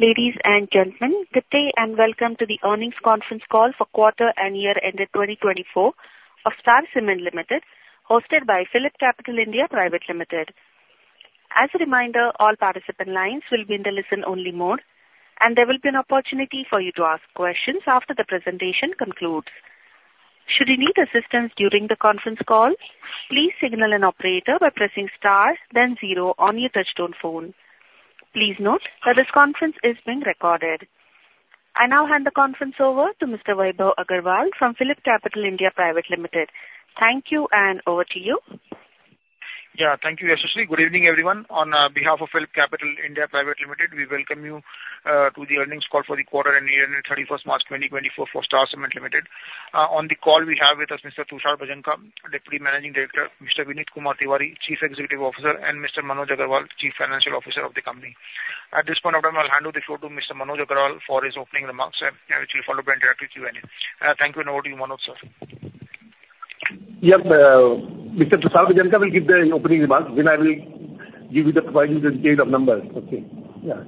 Ladies and gentlemen, good day and welcome to the earnings conference call for quarter and year-ended 2024 of Star Cement Limited, hosted by PhillipCapital (India) Pvt. Ltd. As a reminder, all participant lines will be in the listen-only mode, and there will be an opportunity for you to ask questions after the presentation concludes. Should you need assistance during the conference call, please signal an operator by pressing star, then zero on your touch-tone phone. Please note that this conference is being recorded. I now hand the conference over to Mr. Vaibhav Agarwal from PhillipCapital (India) Pvt. Ltd. Thank you, and over to you. Yeah, thank you, Yashashri. Good evening, everyone. On behalf of PhillipCapital (India) Pvt. Ltd., we welcome you to the earnings call for the quarter and year-ended 31st March 2024 for Star Cement Limited. On the call, we have with us Mr. Tushar Bhajanka, Deputy Managing Director, Mr. Vineet Kumar Tiwari, Chief Executive Officer, and Mr. Manoj Agarwal, Chief Financial Officer of the company. At this point of time, I'll hand over the floor to Mr. Manoj Agarwal for his opening remarks, which will follow by a direct Q&A. Thank you, and over to you, Manoj, sir. Yep, Mr. Tushar Bhajanka will give the opening remarks, then I will give you the providing details of numbers, okay? Yeah.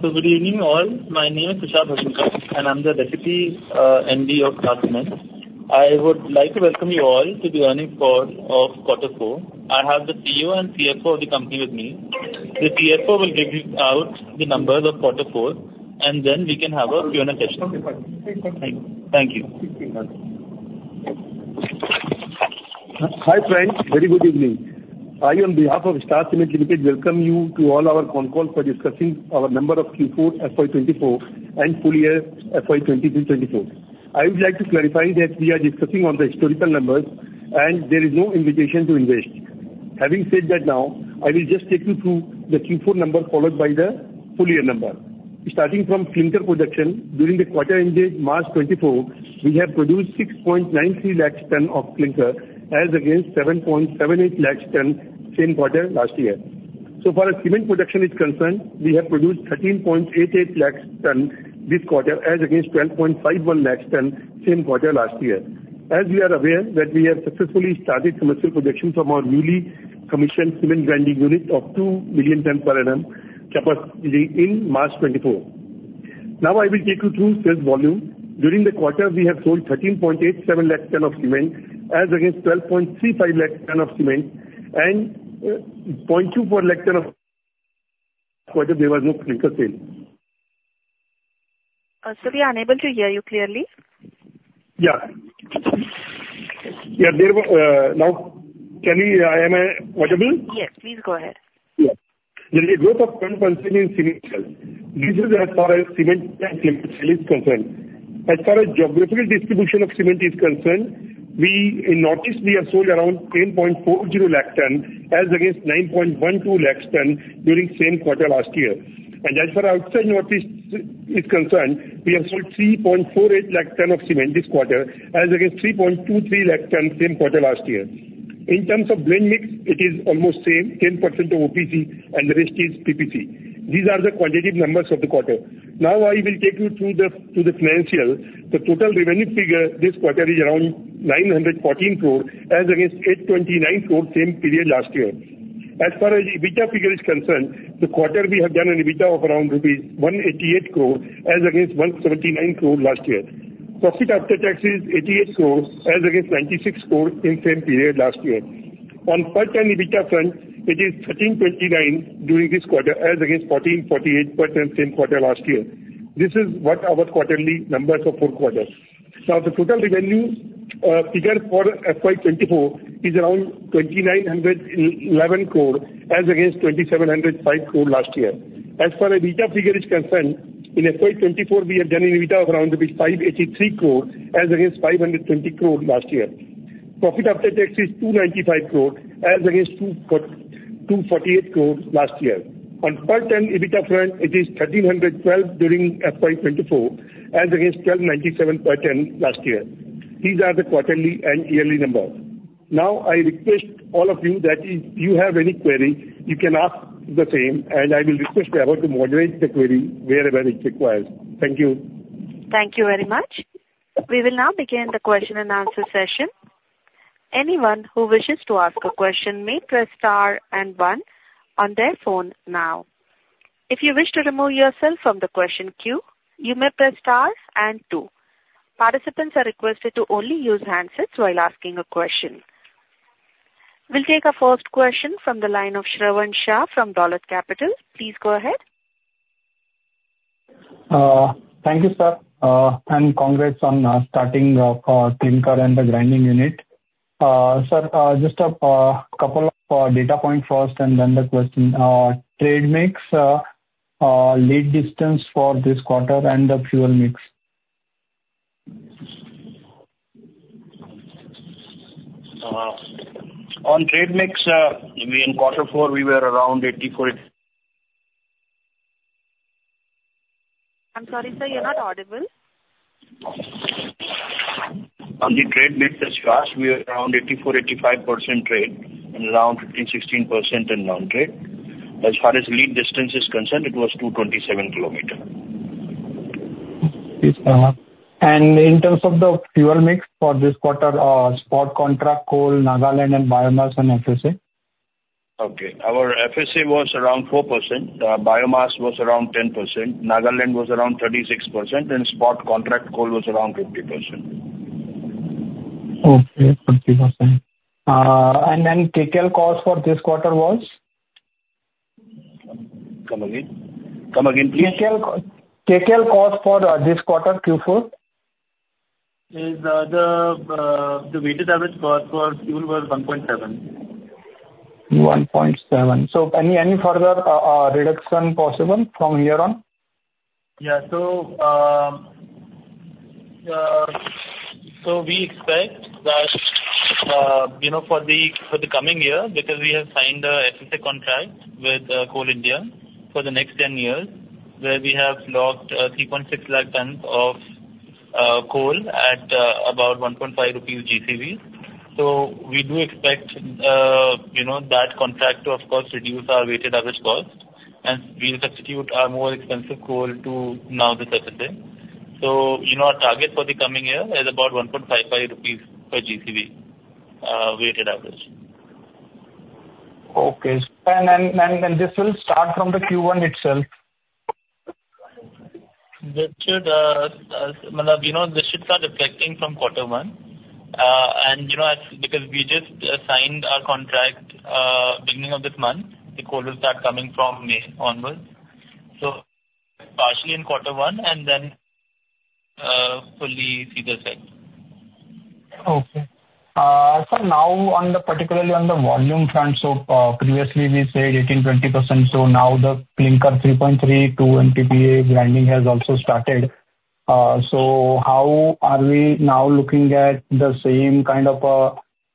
Good evening, all. My name is Tushar Bhajanka, and I'm the Deputy MD of Star Cement. I would like to welcome you all to the earnings call of quarter four. I have the CEO and CFO of the company with me. The CFO will give out the numbers of quarter four, and then we can have a Q&A session. Okay, fine. Very fine. Thank you. Thank you. Hi, friend. Very good evening. I, on behalf of Star Cement Limited, welcome you to all our phone calls for discussing our numbers for Q4 FY 2024 and full year FY 2023-FY 2024. I would like to clarify that we are discussing the historical numbers, and there is no invitation to invest. Having said that now, I will just take you through the Q4 numbers followed by the full year numbers. Starting from clinker production, during the quarter ended March 2024, we have produced 693,000 tons of clinker as against 778,000 tons same quarter last year. So far as cement production is concerned, we have produced 1,388,000 tons this quarter as against 1,251,000 tons same quarter last year. As you are aware that we have successfully started commercial production from our newly commissioned cement grinding unit of 2 million tons per annum capacity in March 2024. Now, I will take you through sales volume. During the quarter, we have sold 13.87 lakh tons of cement as against 12.35 lakh tons of cement, and 0.24 lakh tons of clinker. There was no clinker sale. Sir, we are unable to hear you clearly. Yeah. Yeah, there were no. Can we? Am I audible? Yes, please go ahead. Yeah. There is a growth of funds concerning cement sales. This is as far as cement and clinker sales concerned. As far as geographical distribution of cement is concerned, we in Northeast, we have sold around 1,040,000 tons as against 912,000 tons during same quarter last year. And as far as outside Northeast is concerned, we have sold 348,000 tons of cement this quarter as against 323,000 tons same quarter last year. In terms of blend mix, it is almost same, 10% of OPC, and the rest is PPC. These are the quantitative numbers of the quarter. Now, I will take you through the financial. The total revenue figure this quarter is around 914 crore as against 829 crore same period last year. As far as EBITDA figure is concerned, the quarter we have done an EBITDA of around rupees 188 crore as against Rs. 179 crore last year. Profit after tax is 88 crore as against 96 crore in same period last year. On per-ton EBITDA front, it is 1,329 during this quarter as against 1,448 per-ton same quarter last year. This is what our quarterly numbers of four quarters. Now, the total revenue figure for FY 2024 is around 2,911 crore as against 2,705 crore last year. As far as EBITDA figure is concerned, in FY 2024, we have done an EBITDA of around 583 crore as against 520 crore last year. Profit after tax is 295 crore as against 248 crore last year. On per-ton EBITDA front, it is 1,312 during FY 2024 as against 1,297 per-ton last year. These are the quarterly and yearly numbers. Now, I request all of you that if you have any query, you can ask the same, and I will request everyone to moderate the query wherever it requires. Thank you. Thank you very much. We will now begin the question-and-answer session. Anyone who wishes to ask a question may press star and one on their phone now. If you wish to remove yourself from the question queue, you may press star and two. Participants are requested to only use handsets while asking a question. We'll take our first question from the line of Shravan Shah from Dolat Capital. Please go ahead. Thank you, sir, and congrats on starting for clinker and the grinding unit. Sir, just a couple of data points first and then the question. Trade mix, lead distance for this quarter, and the fuel mix. On trade mix, in quarter four, we were around 84. I'm sorry, sir. You're not audible. On the trade mix, as far as we were around 84%-85% trade and around 15%-16% non-trade. As far as lead distance is concerned, it was 227 km. Please, and in terms of the fuel mix for this quarter, spot contract coal, Nagaland, and biomass and FSA? Okay. Our FSA was around 4%. Biomass was around 10%. Nagaland was around 36%, and spot contract coal was around 50%. Okay, 50%. And then Kcal cost for this quarter was? Come again. Come again, please. Kcal cost for this quarter, Q4? The weighted average cost for fuel was 1.7. Any further reduction possible from here on? Yeah, so we expect that for the coming year, because we have signed a FSA contract with Coal India for the next 10 years, where we have logged 360,000 tons of coal at about 1.5 rupees GCV. So we do expect that contract to, of course, reduce our weighted average cost, and we'll substitute our more expensive coal to now this FSA. So our target for the coming year is about 1.55 rupees per GCV weighted average. Okay. And then this will start from the Q1 itself? This should start reflecting from quarter one, because we just signed our contract beginning of this month. The coal will start coming from May onwards. So partially in quarter one, and then fully FSA. Okay. Sir, now particularly on the volume front, so previously we said 18%-20%, so now the clinker 3.3 MTPA-2 MTPA grinding has also started. So how are we now looking at the same kind of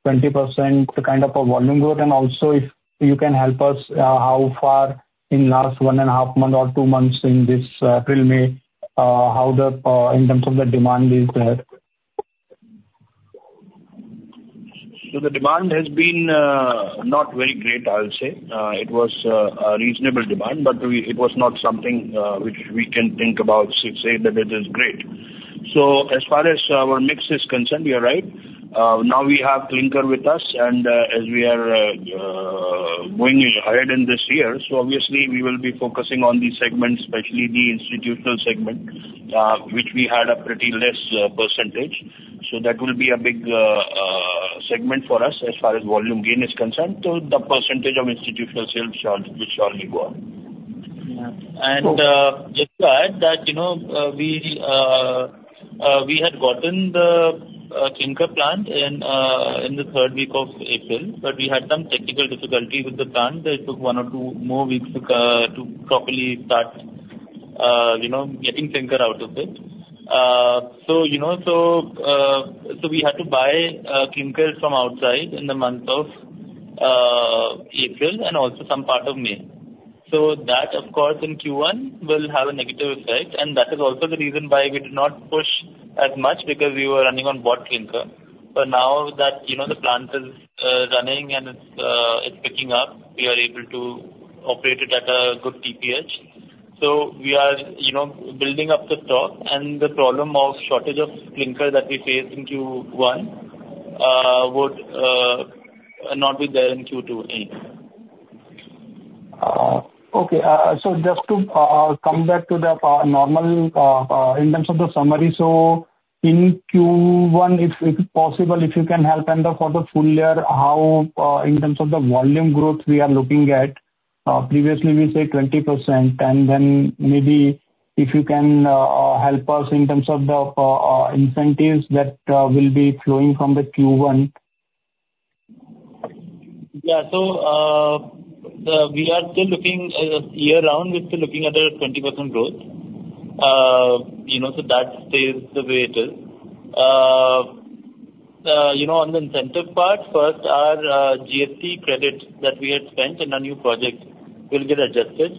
20% kind of volume growth? And also, if you can help us, how far in last one and a half month or two months in this April-May, how in terms of the demand is there? The demand has been not very great, I would say. It was a reasonable demand, but it was not something which we can think about to say that it is great. As far as our mix is concerned, you're right. Now we have clinker with us, and as we are going ahead in this year, so obviously, we will be focusing on the segment, especially the institutional segment, which we had a pretty less percentage. That will be a big segment for us as far as volume gain is concerned. The percentage of institutional sales will surely go up. Yeah. And just to add that we had gotten the clinker plant in the third week of April, but we had some technical difficulty with the plant. It took one or two more weeks to properly start getting clinker out of it. So we had to buy clinker from outside in the month of April and also some part of May. So that, of course, in Q1 will have a negative effect, and that is also the reason why we did not push as much because we were running on bought clinker. But now that the plant is running and it's picking up, we are able to operate it at a good TPH. So we are building up the stock, and the problem of shortage of clinker that we faced in Q1 would not be there in Q2 anymore. Okay. So just to come back to the normal in terms of the summary, so in Q1, if possible, if you can help handle for the full year, how in terms of the volume growth we are looking at? Previously, we said 20%, and then maybe if you can help us in terms of the incentives that will be flowing from the Q1. Yeah, so we are still looking year-round, we're still looking at a 20% growth. So that stays the way it is. On the incentive part, first, our GST credit that we had spent in a new project will get adjusted.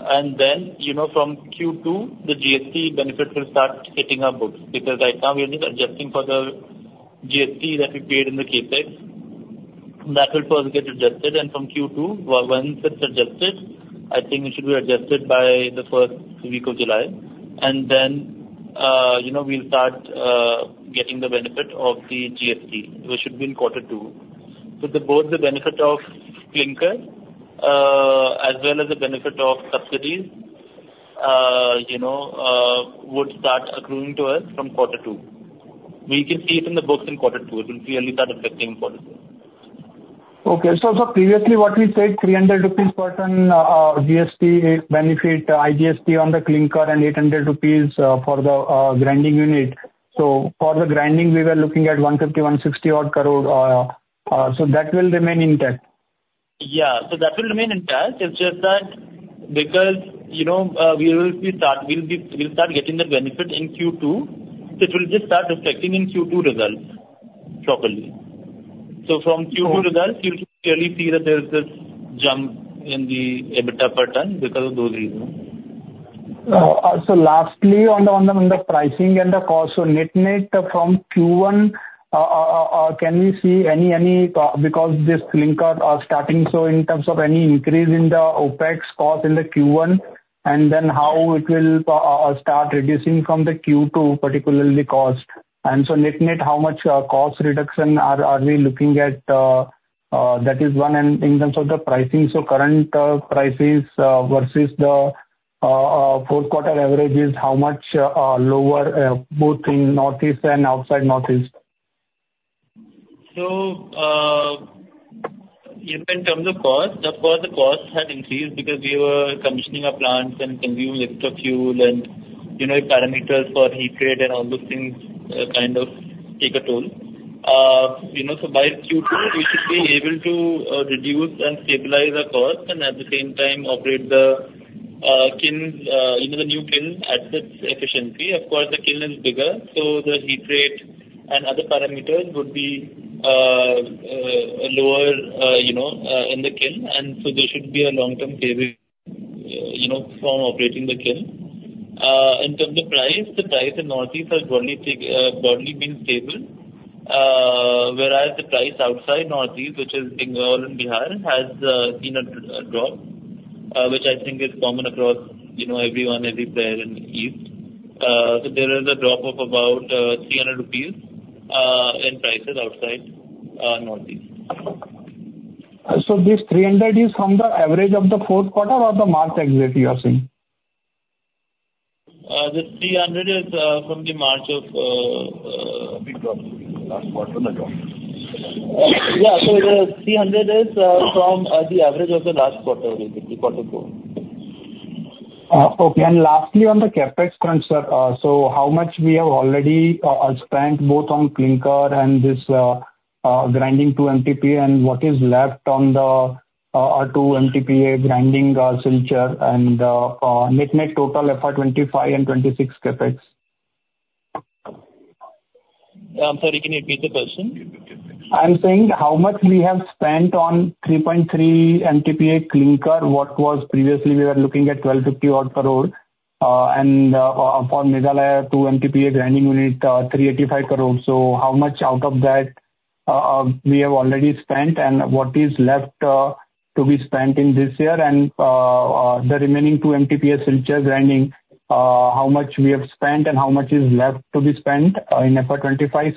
And then from Q2, the GST benefit will start hitting our books because right now we're just adjusting for the GST that we paid in the CapEx. That will first get adjusted, and from Q2, once it's adjusted, I think it should be adjusted by the first week of July. And then we'll start getting the benefit of the GST, which should be in quarter two. So both the benefit of clinker as well as the benefit of subsidies would start accruing to us from quarter two. We can see it in the books in quarter two. It will clearly start affecting policy. Okay. So previously, what we said, 300 rupees per ton GST benefit, IGST on the clinker, and 800 rupees for the grinding unit. So for the grinding, we were looking at 150-odd crore-160-odd crore. So that will remain intact? Yeah, so that will remain intact. It's just that because we will start getting the benefit in Q2, so it will just start reflecting in Q2 results properly. So from Q2 results, you'll clearly see that there's this jump in the EBITDA per ton because of those reasons. So lastly, on the pricing and the cost, so net-net from Q1, can we see any because this clinker starting so in terms of any increase in the OpEx cost in the Q1, and then how it will start reducing from the Q2 particularly cost? And so net-net, how much cost reduction are we looking at? That is one. And in terms of the pricing, so current prices versus the fourth quarter averages, how much lower both in Northeast and outside Northeast? So in terms of cost, of course, the cost had increased because we were commissioning our plants and consuming extra fuel, and parameters for heat rate and all those things kind of take a toll. So by Q2, we should be able to reduce and stabilize our costs and at the same time operate the new kiln at its efficiency. Of course, the kiln is bigger, so the heat rate and other parameters would be lower in the kiln, and so there should be a long-term favor from operating the kiln. In terms of price, the price in Northeast has broadly been stable, whereas the price outside Northeast, which is Bengal and Bihar, has seen a drop, which I think is common across everyone, everywhere in the East. So there is a drop of about 300 rupees in prices outside Northeast. This 300 is from the average of the fourth quarter or the March exit you are seeing? The 300 is from the March of. Last quarter and a drop. Yeah, so the 300 is from the average of the last quarter, basically, quarter four. Okay. Lastly, on the CapEx front, sir, so how much we have already spent both on clinker and this grinding 2 MTPA, and what is left on the 2 MTPA grinding Silchar and net-net total FY 2025 and FY 2026 CapEx? I'm sorry. Can you repeat the question? I'm saying how much we have spent on 3.3 MTPA clinker. What was previously, we were looking at 1,250-odd crore, and for Meghalaya 2 MTPA grinding unit, 385 crore. So how much out of that we have already spent, and what is left to be spent in this year, and the remaining 2 MTPA Silchar grinding, how much we have spent and how much is left to be spent in FY 2025?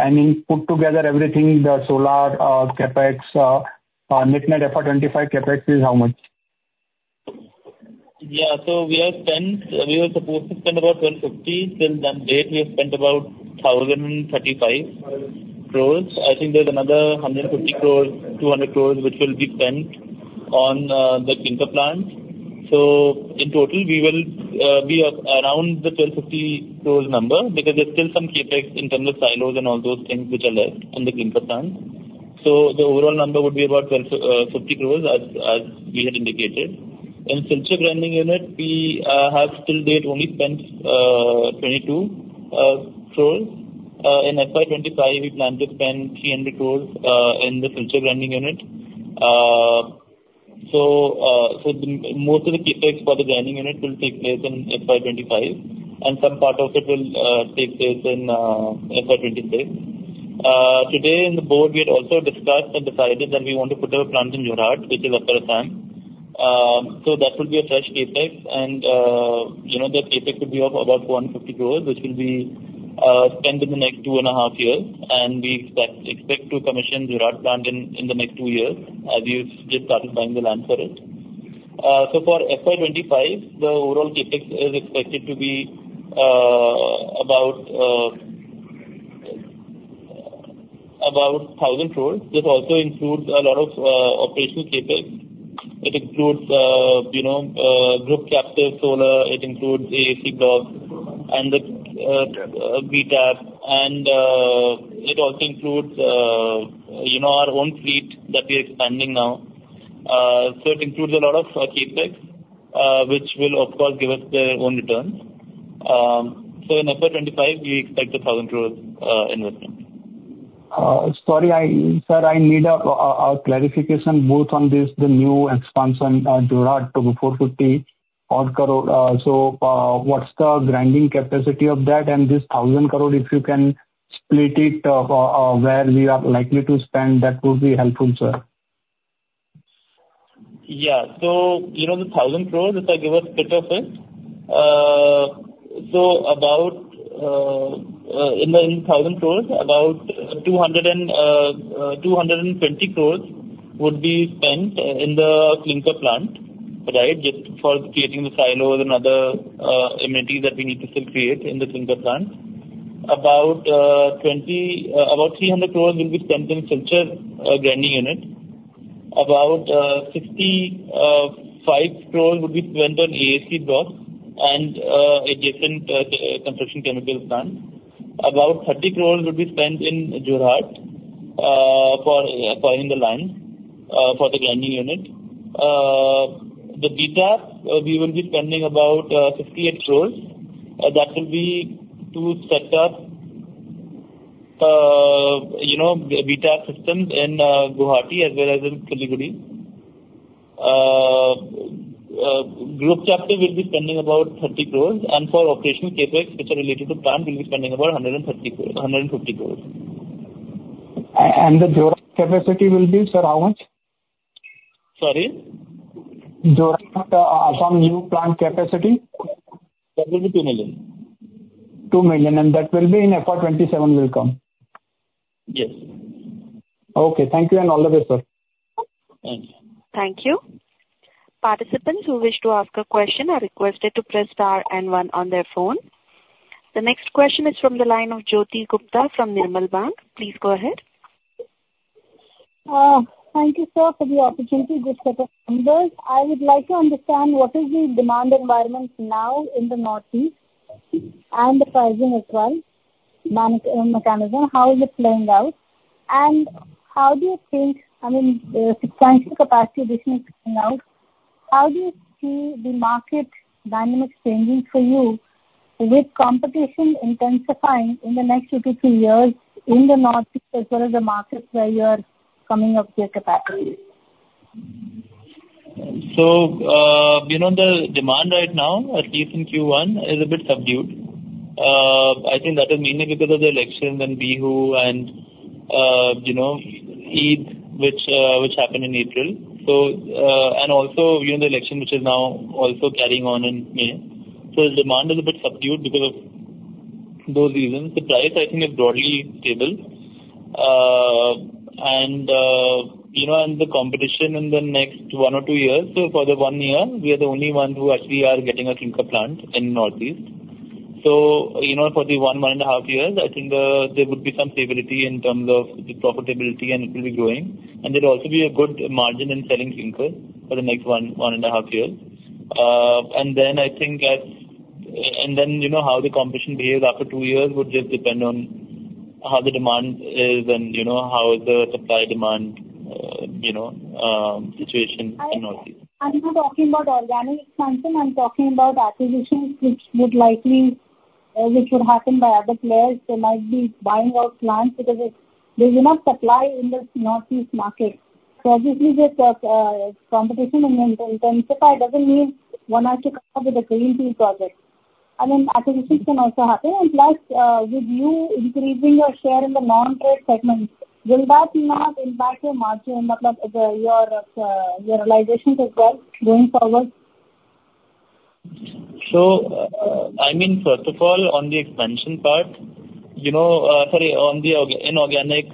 And put together everything, the overall net-net FY 2025 CapEx is how much? Yeah, so we have spent we were supposed to spend about 1,250. Till that date, we have spent about 1,035 crores. I think there's another 150 crore, 200 crores, which will be spent on the clinker plant. So in total, we will be around the 1,250 crores number because there's still some CapEx in terms of silos and all those things which are left in the clinker plant. So the overall number would be about 1,250 crores as we had indicated. In Silchar grinding unit, we have till date only spent 22 crores. In FY 2025, we plan to spend 300 crores in the Silchar grinding unit. So most of the CapEx for the grinding unit will take place in FY 2025, and some part of it will take place in FY 2026. Today in the board, we had also discussed and decided that we want to put our plant in Jorhat, which is upper Assam. So that will be a fresh CapEx, and the CapEx would be of about 450 crore, which will be spent in the next two and a half years. And we expect to commission Jorhat plant in the next two years as we've just started buying the land for it. So for FY 2025, the overall CapEx is expected to be about 1,000 crore. This also includes a lot of operational CapEx. It includes group captive solar. It includes AAC Blocks and the BTAP. And it also includes our own fleet that we are expanding now. So it includes a lot of CapEx, which will, of course, give us their own returns. So in FY 2025, we expect 1,000 crore investment. Sorry, sir. I need a clarification both on this, the new expansion Jorhat to the INR 450-odd crore. So what's the grinding capacity of that and this 1,000 crore, if you can split it where we are likely to spend, that would be helpful, sir. Yeah. So the 1,000 crores, if I give a split of it, so in the 1,000 crores, about 220 crores would be spent in the clinker plant, right, just for creating the silos and other amenities that we need to still create in the clinker plant. About 300 crores will be spent in Silchar grinding unit. About 65 crores would be spent on AAC Blocks and adjacent construction chemical plants. About 30 crores would be spent in Jorhat for hitting the lines for the grinding unit. The BTAP, we will be spending about 58 crores. That will be to set up the BTAP systems in Guwahati as well as in Siliguri. Group captive will be spending about 30 crores. And for operational CapEx, which are related to plant, we'll be spending about 150 crores. The Jorhat capacity will be, sir, how much? Sorry? Jorhat from new plant capacity? That will be 2 million. 2 million. And that will be in FY 2027 will come? Yes. Okay. Thank you, and all the best, sir. Thank you. Thank you. Participants who wish to ask a question are requested to press star and one on their phone. The next question is from the line of Jyoti Gupta from Nirmal Bang. Please go ahead. Thank you, sir, for the opportunity. Good set of numbers. I would like to understand what is the demand environment now in the Northeast and the pricing as well, mechanism, how is it playing out? And how do you think, I mean, the substantial capacity addition is coming out. How do you see the market dynamics changing for you with competition intensifying in the next two to three years in the Northeast as well as the markets where you are coming up with your capacity? So the demand right now, at least in Q1, is a bit subdued. I think that is mainly because of the election and Bihu and Eid, which happened in April, and also the election, which is now also carrying on in May. So the demand is a bit subdued because of those reasons. The price, I think, is broadly stable. And the competition in the next one or two years so for the one year, we are the only ones who actually are getting a clinker plant in the Northeast. So for the one and a half years, I think there would be some stability in terms of the profitability, and it will be growing. And there'll also be a good margin in selling clinker for the next one and a half years. And then I think that how the competition behaves after two years would just depend on how the demand is and how is the supply-demand situation in the Northeast. I'm not talking about organic expansion. I'm talking about acquisitions, which would likely happen by other players. They might be buying out plants because there's enough supply in the Northeast market. So obviously, just competition intensify doesn't mean one has to come up with a greenfield project. I mean, acquisitions can also happen. And plus, with you increasing your share in the non-trade segments, will that not impact your margin, your realizations as well going forward? So, I mean, first of all, on the expansion part, sorry, in organic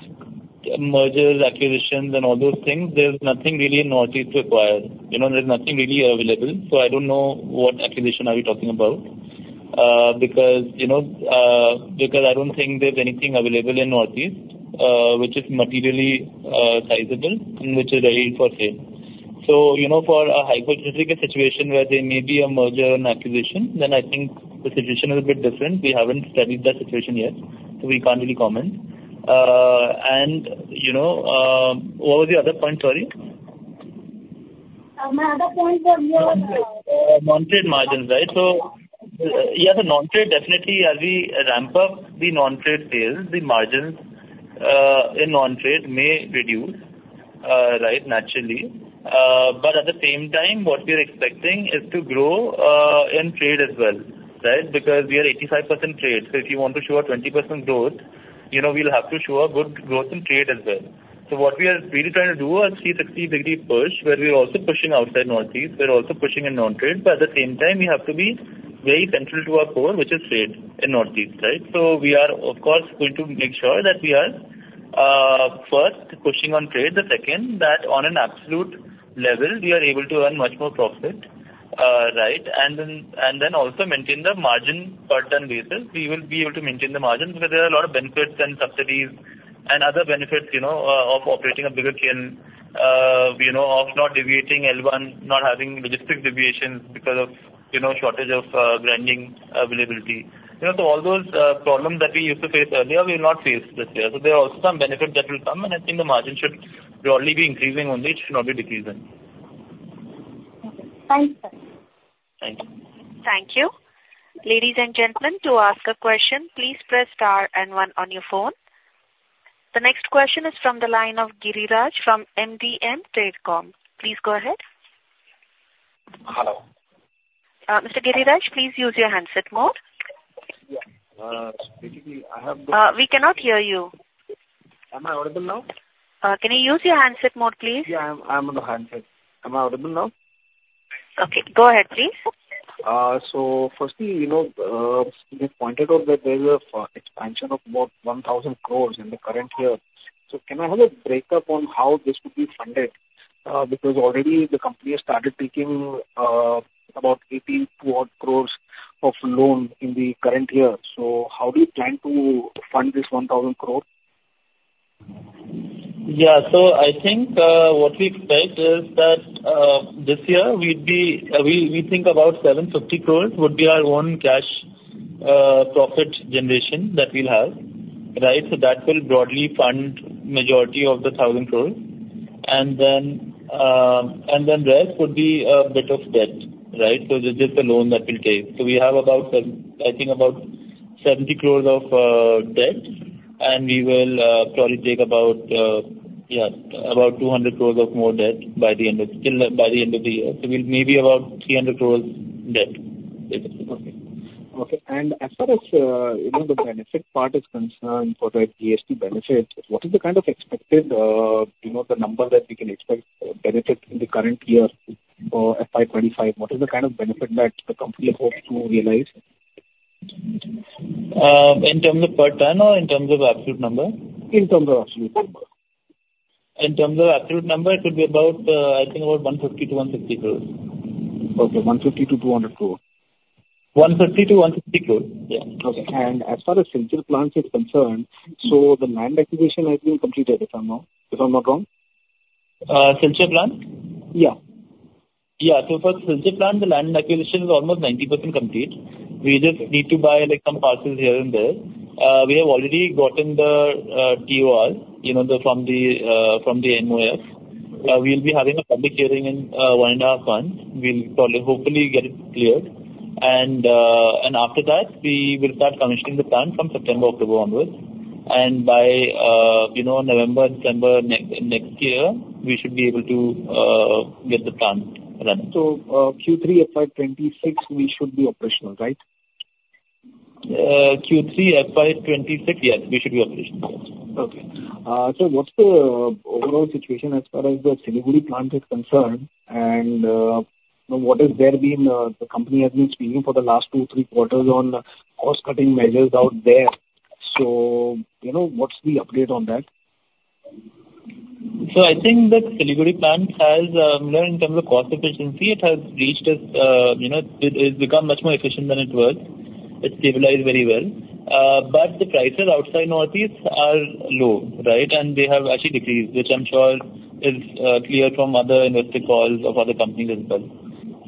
mergers, acquisitions, and all those things, there's nothing really in the Northeast to acquire. There's nothing really available. So, I don't know what acquisition are we talking about because I don't think there's anything available in the Northeast which is materially sizable and which is ready for sale. So, for a hypothetical situation where there may be a merger and acquisition, then I think the situation is a bit different. We haven't studied that situation yet, so we can't really comment. And what was the other point? Sorry. My other point was your. Non-trade margins, right? So yeah, the non-trade, definitely, as we ramp up the non-trade sales, the margins in non-trade may reduce, right, naturally. But at the same time, what we are expecting is to grow in trade as well, right, because we are 85% trade. So if you want to show a 20% growth, we'll have to show a good growth in trade as well. So what we are really trying to do is a 360-degree push where we are also pushing outside Northeast. We're also pushing in non-trade. But at the same time, we have to be very central to our core, which is trade in the Northeast, right? So we are, of course, going to make sure that we are first pushing on trade. The second, that on an absolute level, we are able to earn much more profit, right, and then also maintain the margin per ton basis. We will be able to maintain the margin because there are a lot of benefits and subsidies and other benefits of operating a bigger kiln, of not deviating L1, not having logistics deviations because of shortage of grinding availability. So all those problems that we used to face earlier, we will not face this year. So there are also some benefits that will come, and I think the margin should broadly be increasing only. It should not be decreasing. Okay. Thanks, sir. Thank you. Thank you. Ladies and gentlemen, to ask a question, please press star and one on your phone. The next question is from the line of Giriraj from MDM TradeCom. Please go ahead. Hello. Mr. Giriraj, please use your handset mode. Yeah. Basically, I have the. We cannot hear you. Am I audible now? Can you use your handset mode, please? Yeah, I'm on the handset. Am I audible now? Okay. Go ahead, please. First, you have pointed out that there's an expansion of about 1,000 crore in the current year. Can I have a break-up on how this would be funded? Because already, the company has started taking about 82 odd crore of loan in the current year. So how do you plan to fund this 1,000 crore? Yeah. So I think what we expect is that this year, we think about 750 crores would be our own cash profit generation that we'll have, right? So that will broadly fund the majority of the 1,000 crores. And then the rest would be a bit of debt, right? So just a loan that we'll take. So we have about, I think, about 70 crores of debt, and we will probably take about, yeah, about 200 crores of more debt by the end of still by the end of the year. So we'll maybe have about 300 crores debt, basically. Okay. Okay. As far as the benefit part is concerned for the GST benefit, what is the kind of expected the number that we can expect benefit in the current year for FY 2025? What is the kind of benefit that the company hopes to realize? In terms of per ton or in terms of absolute number? In terms of absolute number. In terms of absolute number, it would be about, I think, about 150 crore-160 crore. Okay. 150 crore-200 crore. 150 crores-160 crores. Yeah. Okay. As far as Silchar plant is concerned, so the land acquisition has been completed, if I'm not wrong? Silchar plant? Yeah. Yeah. So for Silchar plant, the land acquisition is almost 90% complete. We just need to buy some parcels here and there. We have already gotten the TOR from the MoEF. We'll be having a public hearing in one and a half months. We'll hopefully get it cleared. And after that, we will start commissioning the plant from September, October onwards. And by November, December next year, we should be able to get the plant running. Q3 FY 2026, we should be operational, right? Q3 FY 2026, yes, we should be operational. Yes. Okay. So what's the overall situation as far as the Siliguri plant is concerned? And what has there been the company has been speaking for the last two, three quarters on cost-cutting measures out there? So what's the update on that? So I think that Siliguri plant has, in terms of cost efficiency, it has reached its; it's become much more efficient than it was. It stabilized very well. But the prices outside Northeast are low, right? And they have actually decreased, which I'm sure is clear from other investor calls of other companies as well.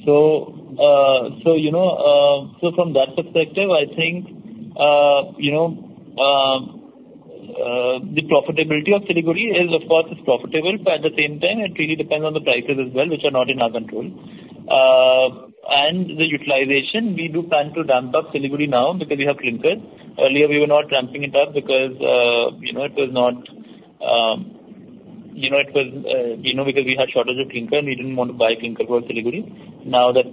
So from that perspective, I think the profitability of Siliguri is, of course, it's profitable, but at the same time, it really depends on the prices as well, which are not in our control. And the utilization, we do plan to ramp up Siliguri now because we have clinker. Earlier, we were not ramping it up because we had shortage of clinker, and we didn't want to buy clinker for Siliguri. Now that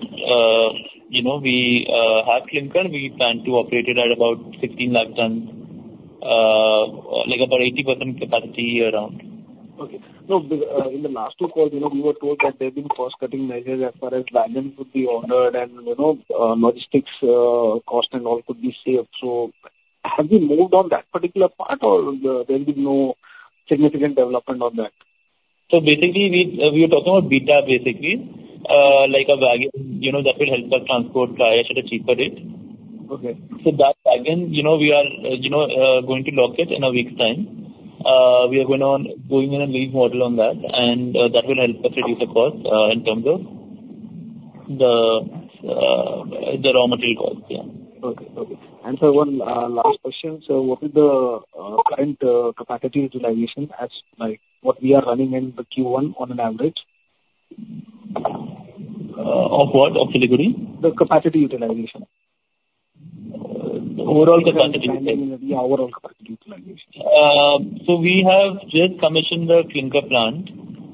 we have Clinker, we plan to operate it at about 16 lakh tons, about 80% capacity year-round. Okay. Now, in the last two calls, we were told that there have been cost-cutting measures as far as wagons would be ordered, and logistics cost and all could be saved. So have we moved on that particular part, or there's been no significant development on that? So basically, we are talking about BTAP, basically, like a wagon that will help us transport ash at a cheaper rate. So that wagon, we are going in a lease model on that, and that will help us reduce the cost in terms of the raw material cost. Yeah. Okay. Okay. Sir, one last question. So what is the current capacity utilization as what we are running in the Q1 on an average? Of what? Of Siliguri? The capacity utilization. Overall capacity utilization. Yeah, overall capacity utilization. So we have just commissioned the Clinker plant.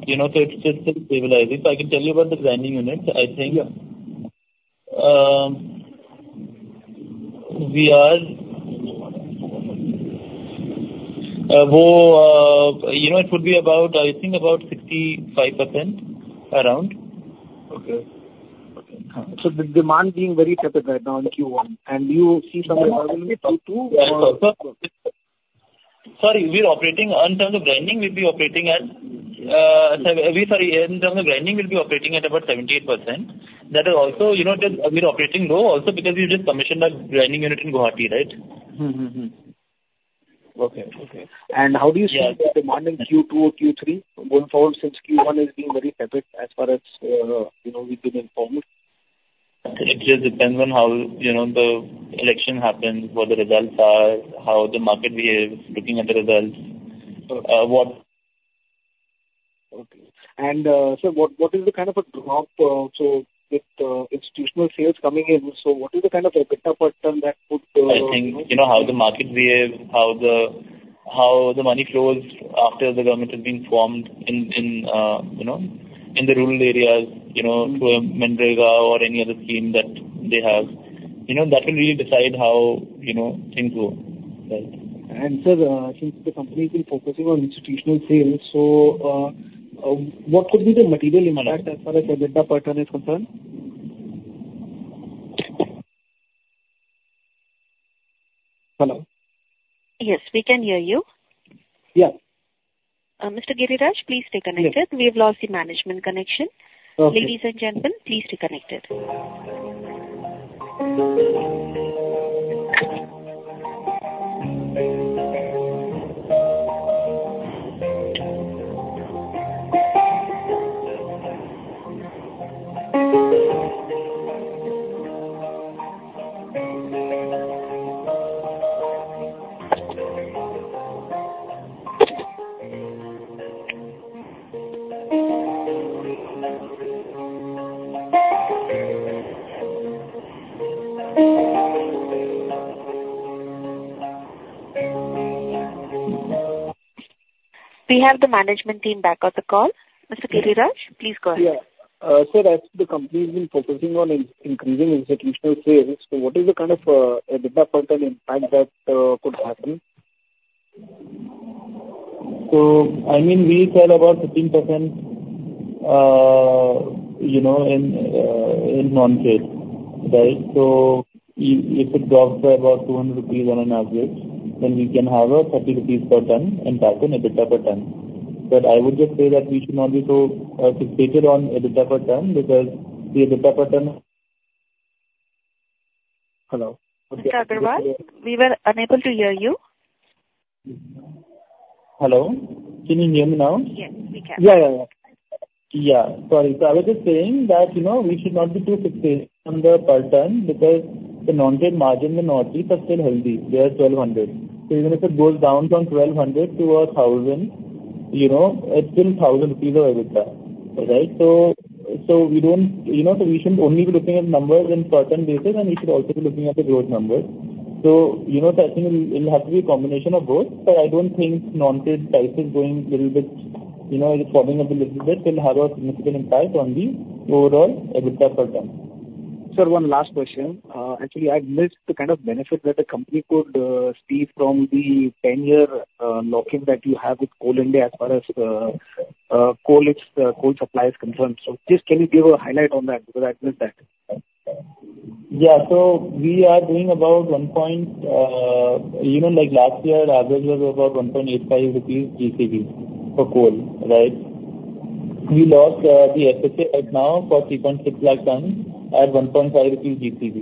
So it's just been stabilizing. So I can tell you about the grinding units. I think we are, it would be about, I think, about 65% around. Okay. Okay. So the demand being very steady right now in Q1. And do you see some results in Q2 or? That is also. In terms of grinding, we'll be operating at about 78%. That is also just we're operating low also because we've just commissioned a grinding unit in Guwahati, right? Okay. Okay. How do you see the demand in Q2 or Q3 going forward since Q1 has been very steady as far as we've been informed? It just depends on how the election happens, what the results are, how the market behaves, looking at the results, what. Okay. And sir, what is the kind of a drop so with institutional sales coming in, so what is the kind of a beta per ton that would? I think how the market behaves, how the money flows after the government has been formed in the rural areas through MGNREGA or any other scheme that they have, that will really decide how things go, right? Sir, since the company has been focusing on institutional sales, so what could be the material impact as far as the EBITDA per ton is concerned? Hello? Yes, we can hear you. Yeah. Mr. Giriraj, please stay connected. We have lost the management connection. Ladies and gentlemen, please stay connected. We have the management team back on the call. Mr. Giriraj, please go ahead. Yeah. Sir, as the company has been focusing on increasing institutional sales, so what is the kind of a beta per ton impact that could happen? So I mean, we sell about 15% in non-trade, right? So if it drops by about 200 rupees on an average, then we can have a 30 rupees per ton and impact on EBITDA per ton. But I would just say that we should not be so fixated on an EBITDA per ton because the EBITDA per ton. Hello? Mr. Giriraj? We were unable to hear you. Hello? Can you hear me now? Yes, we can. Yeah, yeah, yeah. Yeah. Sorry. So I was just saying that we should not be too fixated on the per ton because the non-trade margin in the Northeast are still healthy. They are 1,200. So even if it goes down from 1,200 to 1,000, it's still 1,000 rupees of an EBITDA, right? So we shouldn't only be looking at numbers in per ton basis, and we should also be looking at the gross numbers. So I think it'll have to be a combination of both, but I don't think non-trade prices going a little bit falling a little bit will have a significant impact on the overall EBITDA per ton. Sir, one last question. Actually, I missed the kind of benefit that the company could see from the 10-year lock-in that you have with Coal India as far as coal supply is concerned. So just can you give a highlight on that because I missed that? Yeah. So we are doing about one point last year, the average was about 1.85 rupees GCV for coal, right? We locked the FSA right now for 360,000 tons at 1.5 rupees GCV.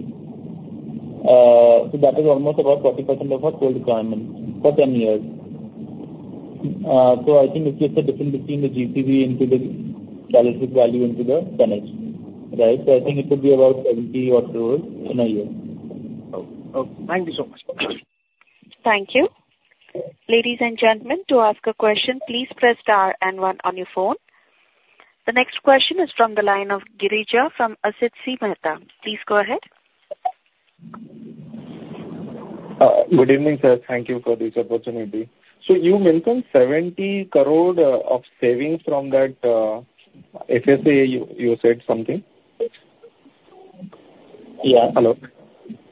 So that is almost about 40% of our coal requirement for 10 years. So I think it's just a difference between the GCV into the calorific value into the tonnage, right? So I think it would be about 70-odd crore in a year. Okay. Okay. Thank you so much. Thank you. Ladies and gentlemen, to ask a question, please press star and one on your phone. The next question is from the line of Girija from Asit C. Mehta. Please go ahead. Good evening, sir. Thank you for this opportunity. You mentioned 70 crore of savings from that FSA, you said something? Yeah. Hello?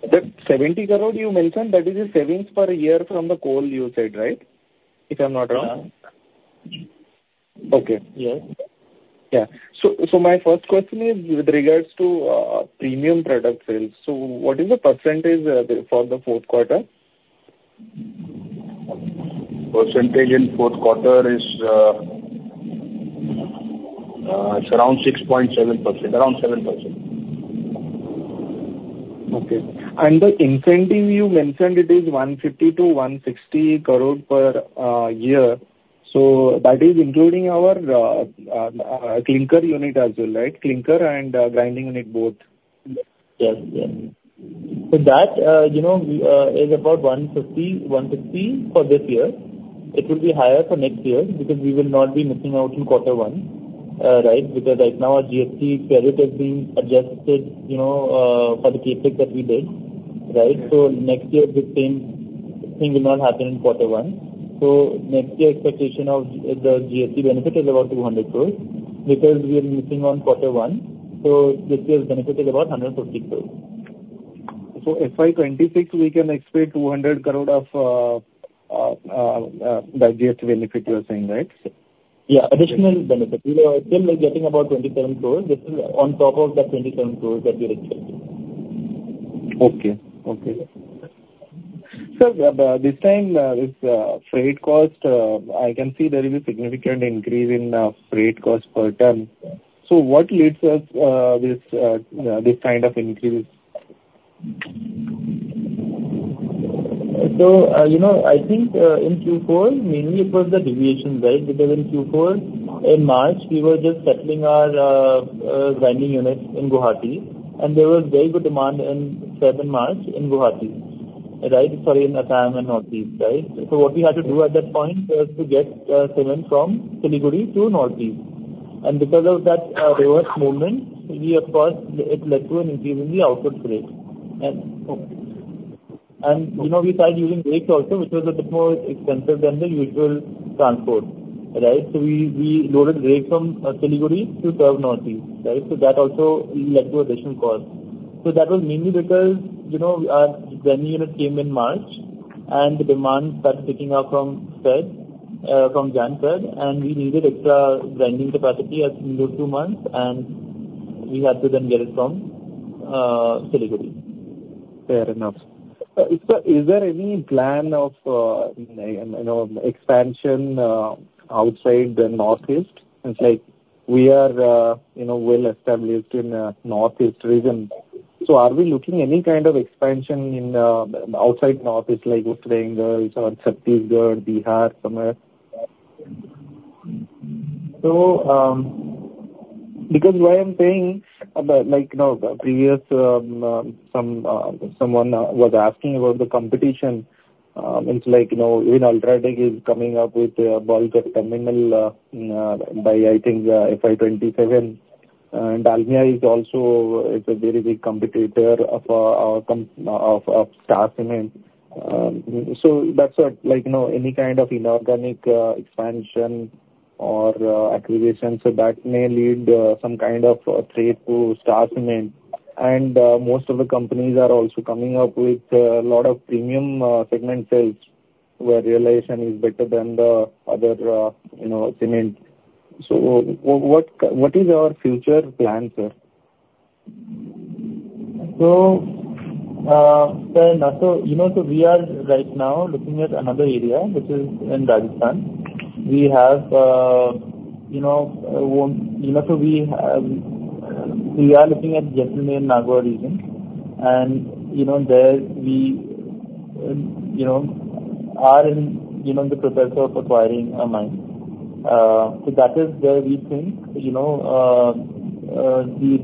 The 70 crore you mentioned, that is the savings per year from the coal, you said, right? If I'm not wrong. Yeah. Okay. Yes. Yeah. So my first question is with regards to premium product sales. So what is the percentage for the fourth quarter? Percentage in fourth quarter is around 6.7%, around 7%. Okay. The incentive you mentioned, it is 150 crore-160 crore per year. That is including our clinker unit as well, right? Clinker and grinding unit, both. Yes. Yes. So that is about 150 crores for this year. It will be higher for next year because we will not be missing out in quarter one, right? Because right now, our GST credit has been adjusted for the CapEx that we did, right? So next year, the expectation of the GST benefit is about 200 crores because we are missing on quarter one. So this year's benefit is about 150 crores. So FY 2026, we can expect 200 crore of that GST benefit you are saying, right? Yeah. Additional benefit. We are still getting about 27 crore. This is on top of the 27 crore that we're expecting. Okay. Okay. Sir, this time, this freight cost, I can see there is a significant increase in freight cost per ton. So what leads us to this kind of increase? So I think in Q4, mainly it was the deviation, right? Because in Q4, in March, we were just settling our grinding units in Guwahati, and there was very good demand in early March in Guwahati, right? Sorry, in Assam and Northeast, right? So what we had to do at that point was to get cement from Siliguri to Northeast. And because of that reverse movement, of course, it led to an increase in the output rate. And we started using rakes also, which was a bit more expensive than the usual transport, right? So we loaded rakes from Siliguri to serve Northeast, right? So that also led to additional costs. So that was mainly because our grinding unit came in March, and the demand started picking up from January, and we needed extra grinding capacity in those two months, and we had to then get it from Siliguri. Fair enough. Sir, is there any plan of expansion outside the Northeast? It's like we are well established in the Northeast region. So are we looking at any kind of expansion outside Northeast like Uttarakhand, Chhattisgarh, Bihar, somewhere? Because why I'm saying about previous someone was asking about the competition. It's like even UltraTech is coming up with a bulk terminal by, I think, FY 2027. And Dalmia is also a very big competitor of our Star Cement. So that's what any kind of inorganic expansion or acquisition, so that may lead some kind of threat to Star Cement. And most of the companies are also coming up with a lot of premium segment sales where realization is better than the other cement. So what is our future plan, sir? So, sir, so we are right now looking at another area, which is in Rajasthan. We have so we are looking at Jaisalmer and Nagaur region. And there, we are in the process of acquiring a mine. So that is where we think the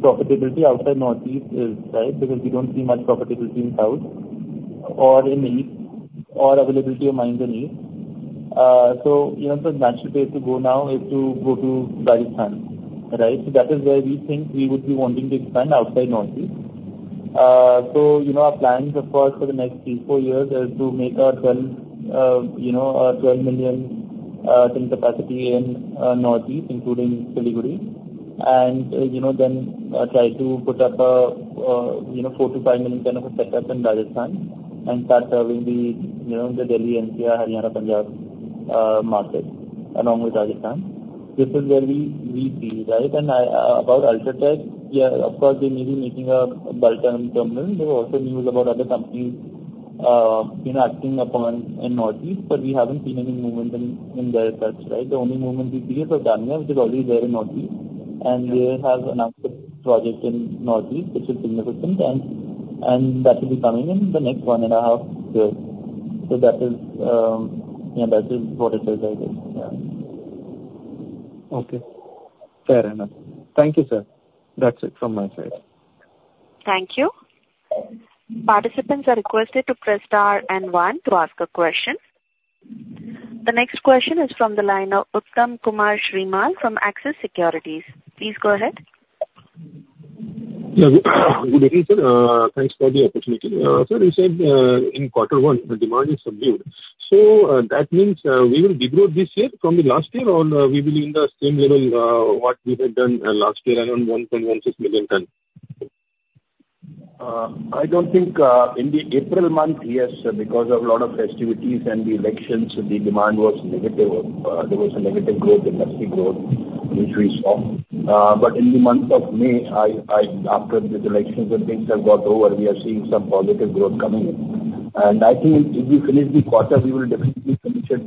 profitability outside Northeast is, right? Because we don't see much profitability in south or in east or availability of mines in east. So the natural place to go now is to go to Rajasthan, right? So that is where we think we would be wanting to expand outside Northeast. So our plans, of course, for the next three-four years is to make our 12 million cement capacity in Northeast, including Siliguri, and then try to put up a 4 million-5 million kind of a setup in Rajasthan and start serving the Delhi, NCR, Haryana, Punjab market along with Rajasthan. This is where we see, right? And about UltraTech, yeah, of course, they may be making a bulk terminal. There were also news about other companies acting upon in Northeast, but we haven't seen any movement in there as such, right? The only movement we see is Dalmia, which is already there in Northeast. And they have announced a project in Northeast, which is significant, and that will be coming in the next one and a half years. So that is what it is, I guess. Yeah. Okay. Fair enough. Thank you, sir. That's it from my side. Thank you. Participants are requested to press star and one to ask a question. The next question is from the line of Uttam Kumar Srimal from Axis Securities. Please go ahead. Good evening, sir. Thanks for the opportunity. Sir, you said in quarter one, the demand is subdued. So that means we will degrowth this year from the last year, or we will be in the same level what we had done last year around 1.16 million tons? I don't think in the April month, yes, because of a lot of festivities and the elections, the demand was negative. There was a negative growth, industry growth, which we saw. But in the month of May, after the elections and things have gone over, we are seeing some positive growth coming in. And I think if we finish the quarter, we will definitely finish it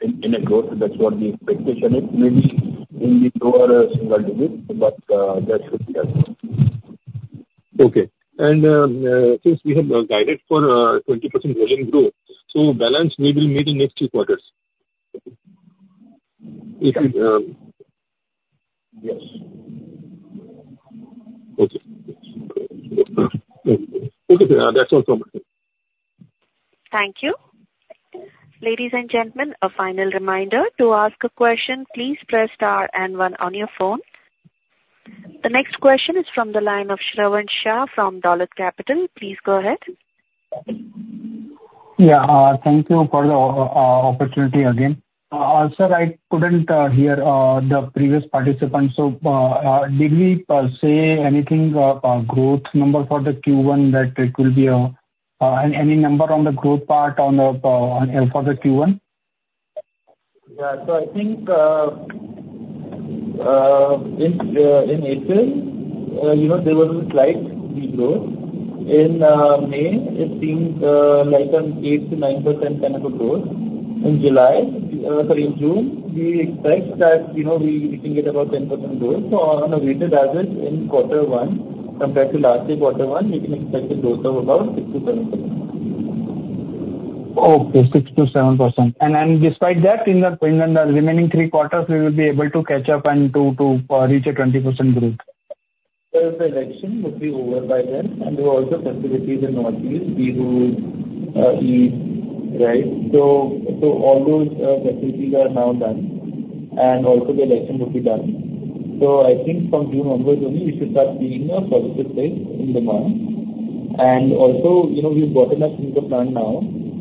in a growth. That's what the expectation is. Maybe in the lower single digit, but that should be as well. Okay. And since we have guidance for 20% volume growth, so balance, we will meet in next two quarters if you. Yes. Okay. Okay, sir. That's all from me. Thank you. Ladies and gentlemen, a final reminder. To ask a question, please press star and one on your phone. The next question is from the line of Shravan Shah from Dolat Capital. Please go ahead. Yeah. Thank you for the opportunity again. Sir, I couldn't hear the previous participant. So did we say anything growth number for the Q1 that it will be a any number on the growth part for the Q1? Yeah. So I think in April, there was a slight degrowth. In May, it seemed like an 8%-9% kind of a growth. In July sorry, in June, we expect that we can get about 10% growth. So on a weighted average in quarter one compared to last year's quarter one, we can expect a growth of about 6%-7%. Okay. 6%-7%. And despite that, in the remaining three quarters, we will be able to catch up and to reach a 20% growth? Sir, the election will be over by then, and also festivities in Northeast, Bihu, Eid, right? So all those festivities are now done, and also the election will be done. So I think from June onward only, we should start seeing a positive trend in demand. And also, we've got enough clinker plant now.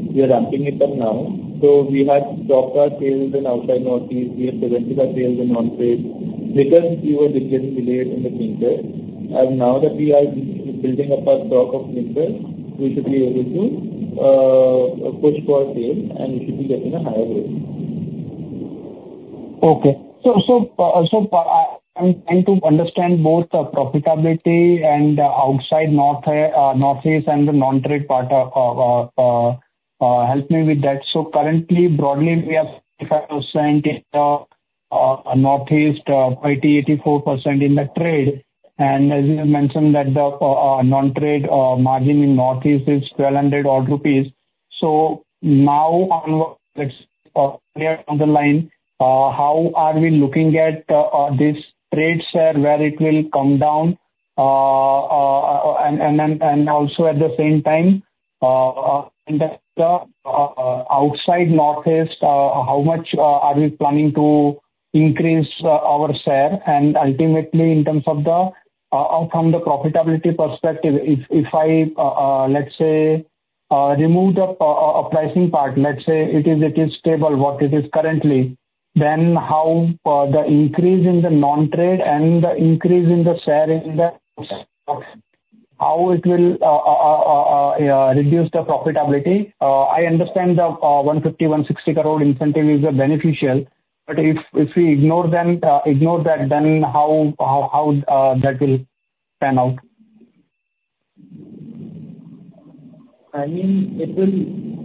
We are ramping it up now. So we had stocked our sales in outside Northeast. We have prevented our sales in non-trade because we were getting delayed in the clinker. Now that we are building up our stock of clinker, we should be able to push for sale, and we should be getting a higher growth. Okay. So I'm trying to understand both profitability and outside Northeast and the non-trade part. Help me with that. So currently, broadly, we have 55% in the Northeast, 80%-84% in the trade. And as you mentioned, that the non-trade margin in Northeast is 1,200 rupees odd. So now, let's clear on the line. How are we looking at this trade share where it will come down? And also at the same time, outside Northeast, how much are we planning to increase our share? And ultimately, in terms of the from the profitability perspective, if I, let's say, remove the pricing part, let's say it is stable, what it is currently, then how the increase in the non-trade and the increase in the share in that, how it will reduce the profitability? I understand the 150 crore-160 crore incentive is beneficial, but if we ignore that, then how that will pan out? I mean, it will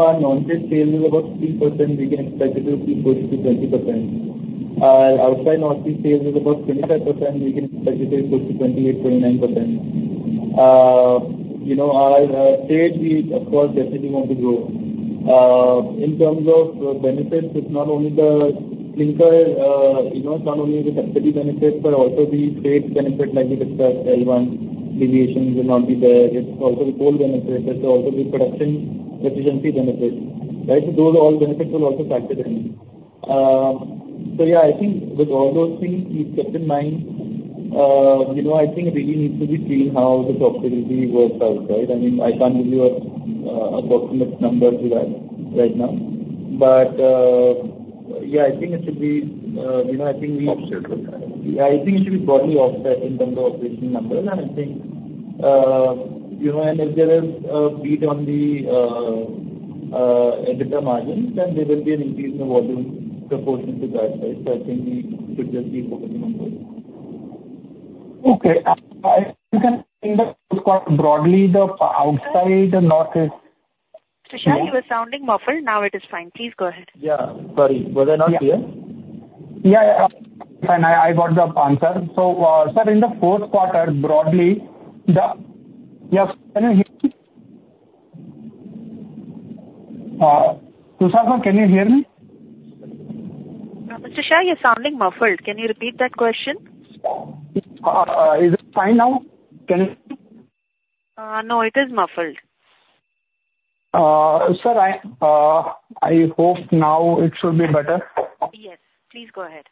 our non-trade sales is about 3%. We can expect it to push to 20%. Our outside Northeast sales is about 25%. We can expect it to push to 28%-29%. Our trade, we, of course, definitely want to grow. In terms of benefits, it's not only the clinker, it's not only the subsidy benefits, but also the trade benefit like we discussed, L1, deviations will not be there. It's also the coal benefit. It's also the production efficiency benefit, right? So those all benefits will also factor in. So yeah, I think with all those things kept in mind, I think it really needs to be seen how the profitability works out, right? I mean, I can't give you an approximate number to that right now. But yeah, I think it should be I think we. Offset with that. Yeah. I think it should be broadly offset in terms of operating numbers. And I think if there is a beat on the EBITDA margins, then there will be an increase in the volume proportion to that, right? So I think we should just be focusing on those. Okay. You can end up quite broadly the outside Northeast. Tushar, you were sounding muffled. Now it is fine. Please go ahead. Yeah. Sorry. Was I not clear? Yeah. Yeah. Yeah. Fine. I got the answer. So sir, in the fourth quarter, broadly, the yeah. Can you hear me? Tushar, sir, can you hear me? Mr. Shah, you're sounding muffled. Can you repeat that question? Is it fine now? Can you? No, it is muffled. Sir, I hope now it should be better. Yes. Please go ahead.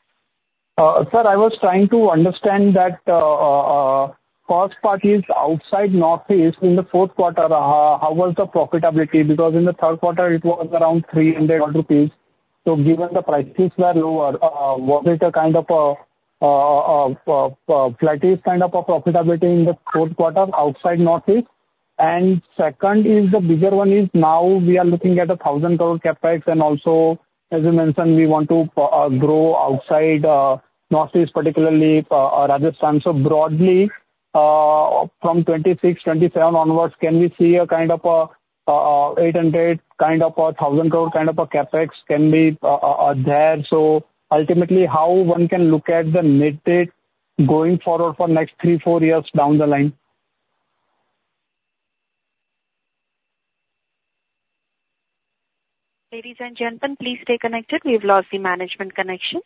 Sir, I was trying to understand that cost part is outside Northeast. In the fourth quarter, how was the profitability? Because in the third quarter, it was around 300 odd INR. So given the prices were lower, was it a kind of a flattish kind of a profitability in the fourth quarter outside Northeast? And second is the bigger one is now we are looking at 1,000 crore CapEx. And also, as you mentioned, we want to grow outside Northeast, particularly Rajasthan. So broadly, from 2026, 2027 onwards, can we see a kind of a 800 kind of a 1,000 crore kind of a CapEx can be there? So ultimately, how one can look at the netted going forward for next three, four years down the line? Ladies and gentlemen, please stay connected. We've lost the management connection.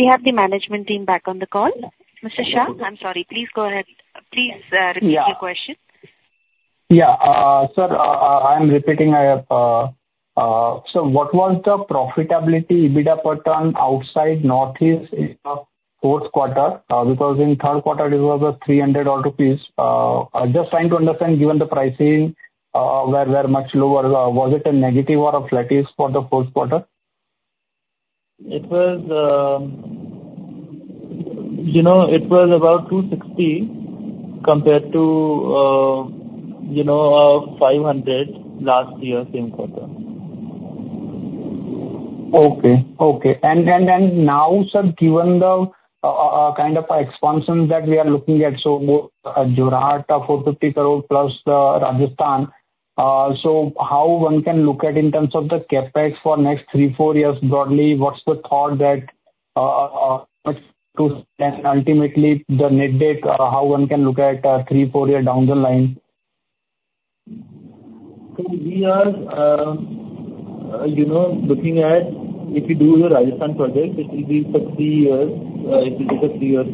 We have the management team back on the call. Mr. Shah, I'm sorry. Please go ahead. Please repeat your question. Sir, I'm repeating. So what was the profitability EBITDA per ton outside Northeast in the fourth quarter? Because in third quarter, it was 300-odd rupees. Just trying to understand, given the pricing were much lower, was it a negative or a flattish for the fourth quarter? It was about 260 compared to 500 last year, same quarter. Okay. Okay. And then now, sir, given the kind of expansion that we are looking at, so Jorhat 450 crore plus Rajasthan, so how one can look at in terms of the CapEx for next three-four years broadly? What's the thought that ultimately, the netted, how one can look at three-four years down the line? We are looking at if we do the Rajasthan project, it will be for three years if we take a three-year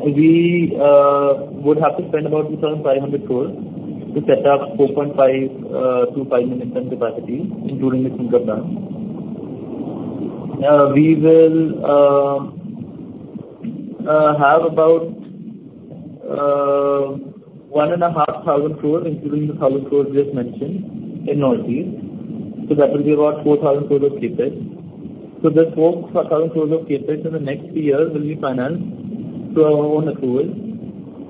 support as a plan. We would have to spend about 2,500 crore to set up 4.5 million-5 million ton capacity, including the clinker plant. We will have about 1,500 crore, including the 1,000 crore we just mentioned in Northeast. So that will be about 4,000 crore of CapEx. So this 4,000 crore of CapEx in the next three years will be financed through our own accrual.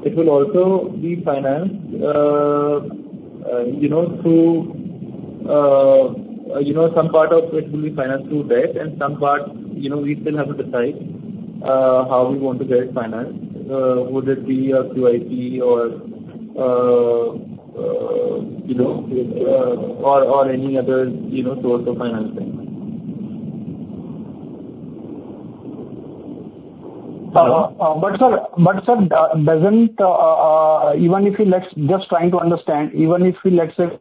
It will also be financed through some part of it will be financed through debt, and some part we still have to decide how we want to get it financed. Would it be a QIP or any other source of financing? Sir, even if we let's say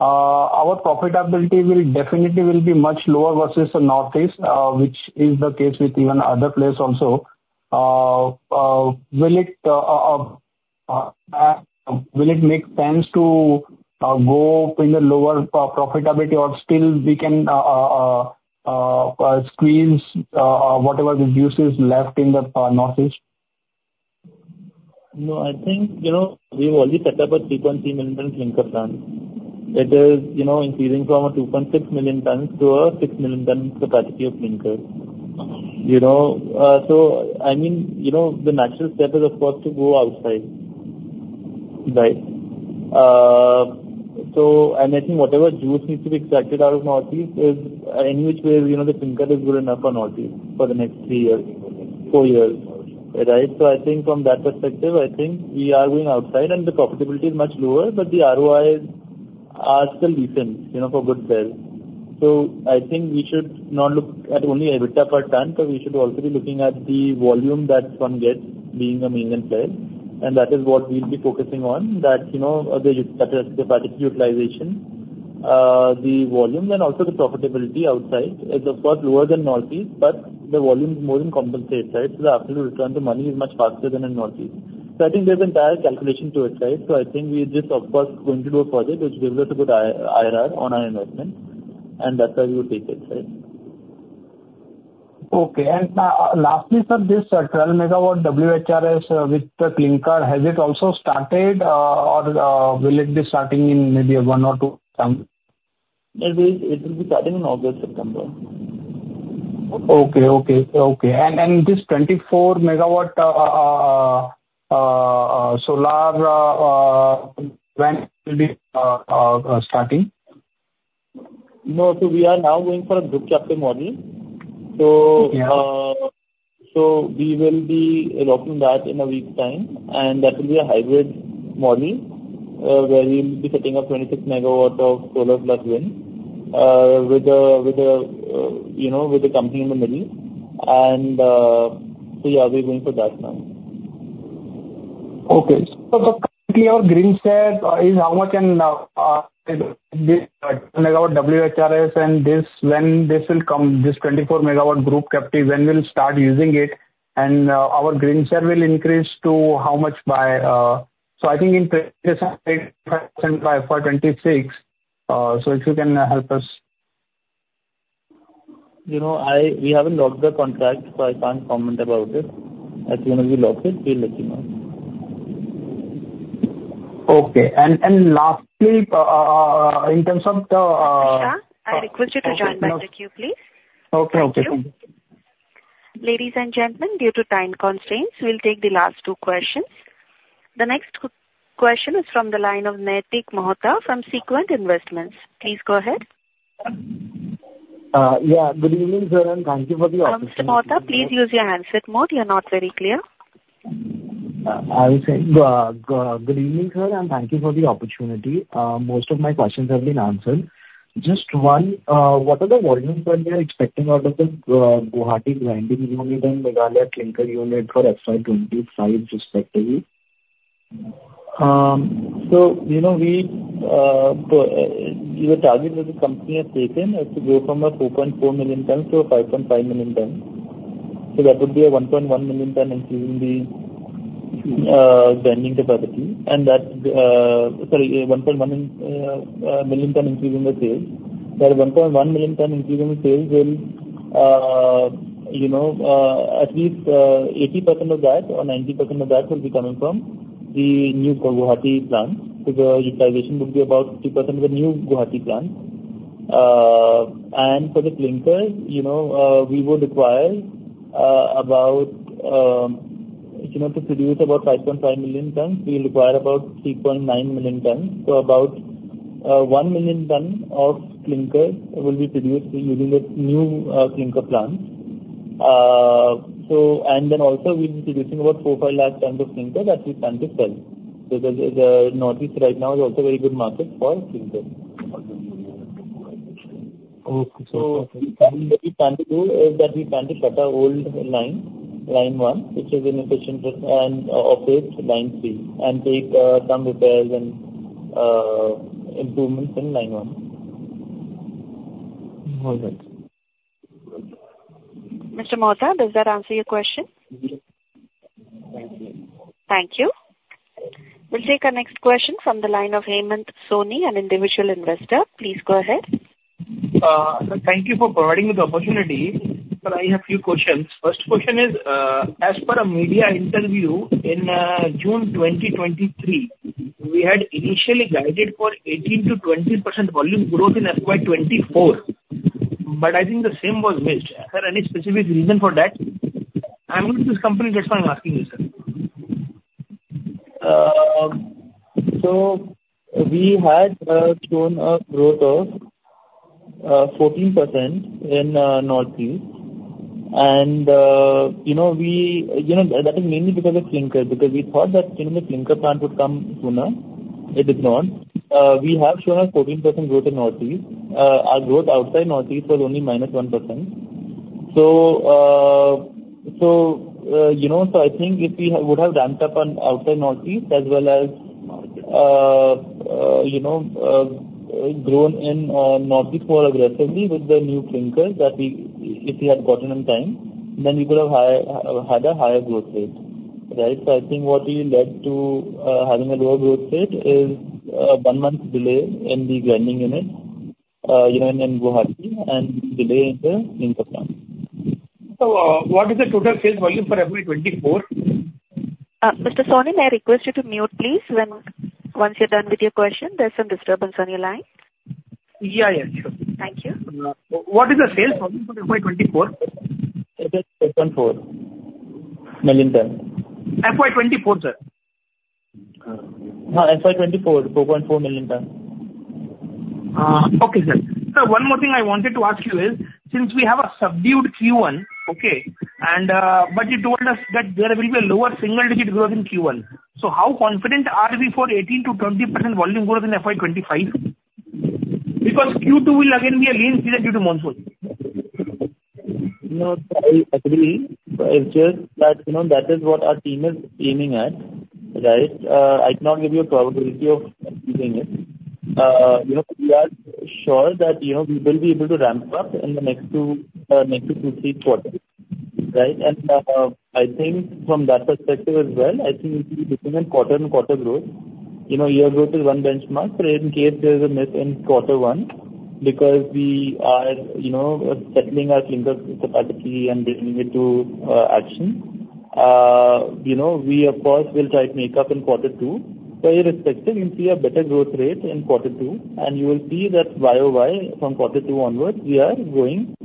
our profitability will definitely be much lower versus the Northeast, which is the case with even other places also, will it make sense to go in the lower profitability or still we can squeeze whatever reduces left in the Northeast? No. I think we've already set up a 3.3 million ton clinker plant. It is increasing from a 2.6 million tons to a 6 million tons capacity of clinker. So I mean, the natural step is, of course, to go outside, right? And I think whatever juice needs to be extracted out of Northeast is in which way the clinker is good enough for Northeast for the next three years, four years, right? So I think from that perspective, I think we are going outside, and the profitability is much lower, but the ROIs are still decent for good sales. So I think we should not look at only EBITDA per ton, but we should also be looking at the volume that one gets being a mainland player. And that is what we'll be focusing on, that capacity utilization, the volume, and also the profitability outside is, of course, lower than Northeast, but the volume is more than compensated, right? So the actual return to money is much faster than in Northeast. So I think there's an entire calculation to it, right? So I think we're just, of course, going to do a project which gives us a good IRR on our investment, and that's how we will take it, right? Okay. And lastly, sir, this 12 MW WHRS with the clinker, has it also started or will it be starting in maybe a one or two? It will be starting in August, September. Okay. Okay. Okay. And this 24 MW solar, when will it be starting? No. So we are now going for a group captive model. So we will be locking that in a week's time, and that will be a hybrid model where we will be setting up 26 MW of solar plus wind with a company in the middle. And so yeah, we're going for that now. Okay. So currently, our green share is how much and this 12-MW WHRS and when this will come, this 24-MW group captive, when we'll start using it, and our green share will increase to how much by so I think in 25% by 2026. So if you can help us. We haven't locked the contract, so I can't comment about it. As soon as we lock it, we'll let you know. Okay. Lastly, in terms of the. Mr Shah, I request you to join back the queue, please. Okay. Okay. Thank you. Ladies and gentlemen, due to time constraints, we'll take the last two questions. The next question is from the line of Naitik Mehta from Sequent Investments. Please go ahead. Yeah. Good evening, sir, and thank you for the opportunity. Thanks, Mehta. Please use your handset mode. You're not very clear. I will say good evening, sir, and thank you for the opportunity. Most of my questions have been answered. Just one, what are the volumes that we are expecting out of the Guwahati grinding unit and Meghalaya clinker unit for FY 2025, respectively? So the target that the company has taken is to go from 4.4 million tons to 5.5 million tons. So that would be a 1.1 million tons increasing the grinding capacity. And that, sorry, 1.1 million tons increasing the sales. That 1.1 million tons increasing the sales will—at least 80% of that or 90% of that—will be coming from the new Guwahati plant. So the utilization would be about 50% of the new Guwahati plant. And for the clinker, we would require—about to produce about 5.5 million tons, we'll require about 3.9 million tons. So about 1 million tons of clinker will be produced using this new clinker plant. And then also, we'll be producing about 4 lakh tons-5 lakh tons of clinker that we plan to sell because Northeast right now is also a very good market for clinker. Okay. So, sir. What we plan to do is that we plan to shut our old line, line one, which is inefficient and our line three, and take some repairs and improvements in line one. All right. Mr. Mehta, does that answer your question? Yes. Thank you. Thank you. We'll take our next question from the line of Hemant Soni, an individual investor. Please go ahead. Sir, thank you for providing me the opportunity. Sir, I have a few questions. First question is, as per a media interview in June 2023, we had initially guided for 18%-20% volume growth in FY 2024, but I think the same was missed. Is there any specific reason for that? I'm not this company. That's why I'm asking you, sir. We had shown a growth of 14% in Northeast. That is mainly because of clinker because we thought that the clinker plant would come sooner. It did not. We have shown a 14% growth in Northeast. Our growth outside Northeast was only -1%. So I think if we would have ramped up on outside Northeast as well as grown in Northeast more aggressively with the new clinker that we if we had gotten in time, then we could have had a higher growth rate, right? So I think what we led to having a lower growth rate is one month delay in the grinding unit in Guwahati and delay in the clinker plant. What is the total sales volume for FY2024? Mr. Soni, may I request you to mute, please, once you're done with your question? There's some disturbance on your line. Yeah. Yeah. Sure. Thank you. What is the sales volume for FY2024? It is 4.4 million tons. FY 2024, sir? No, FY 2024, 4.4 million tons. Okay, sir. Sir, one more thing I wanted to ask you is, since we have a subdued Q1, okay, but you told us that there will be a lower single-digit growth in Q1, so how confident are we for 18%-20% volume growth in FY2025? Because Q2 will again be a lean season due to monsoon. No, actually, it's just that that is what our team is aiming at, right? I cannot give you a probability of achieving it. We are sure that we will be able to ramp up in the next two, three quarters, right? And I think from that perspective as well, I think we'll be looking at quarter-on-quarter growth. Year growth is one benchmark, but in case there's a miss in quarter one because we are settling our clinker capacity and bringing it to action, we, of course, will try to make up in quarter two. So irrespective, you'll see a better growth rate in quarter two, and you will see that year by year, from quarter two onwards, we are growing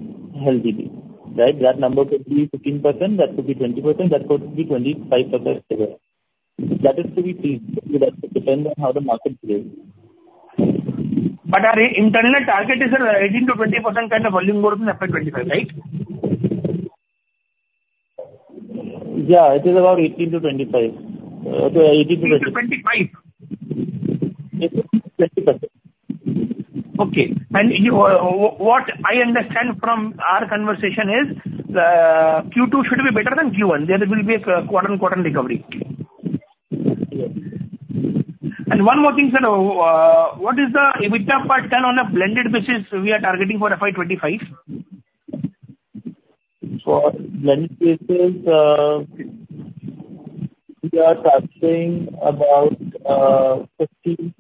healthily, right? That number could be 15%, that could be 20%, that could be 25% even. That is to be seen. That depends on how the market plays. Our internal target is, sir, 18%-20% kind of volume growth in FY 2025, right? Yeah. It is about 18% to 25%. So 18% to 25%. 18% to 25%. It is 20%. Okay. And what I understand from our conversation is Q2 should be better than Q1. There will be a quarter-on-quarter recovery. Yes. One more thing, sir, what is the EBITDA per ton on a blended basis we are targeting for FY 2025? For blended basis, we are targeting about 15%-15%.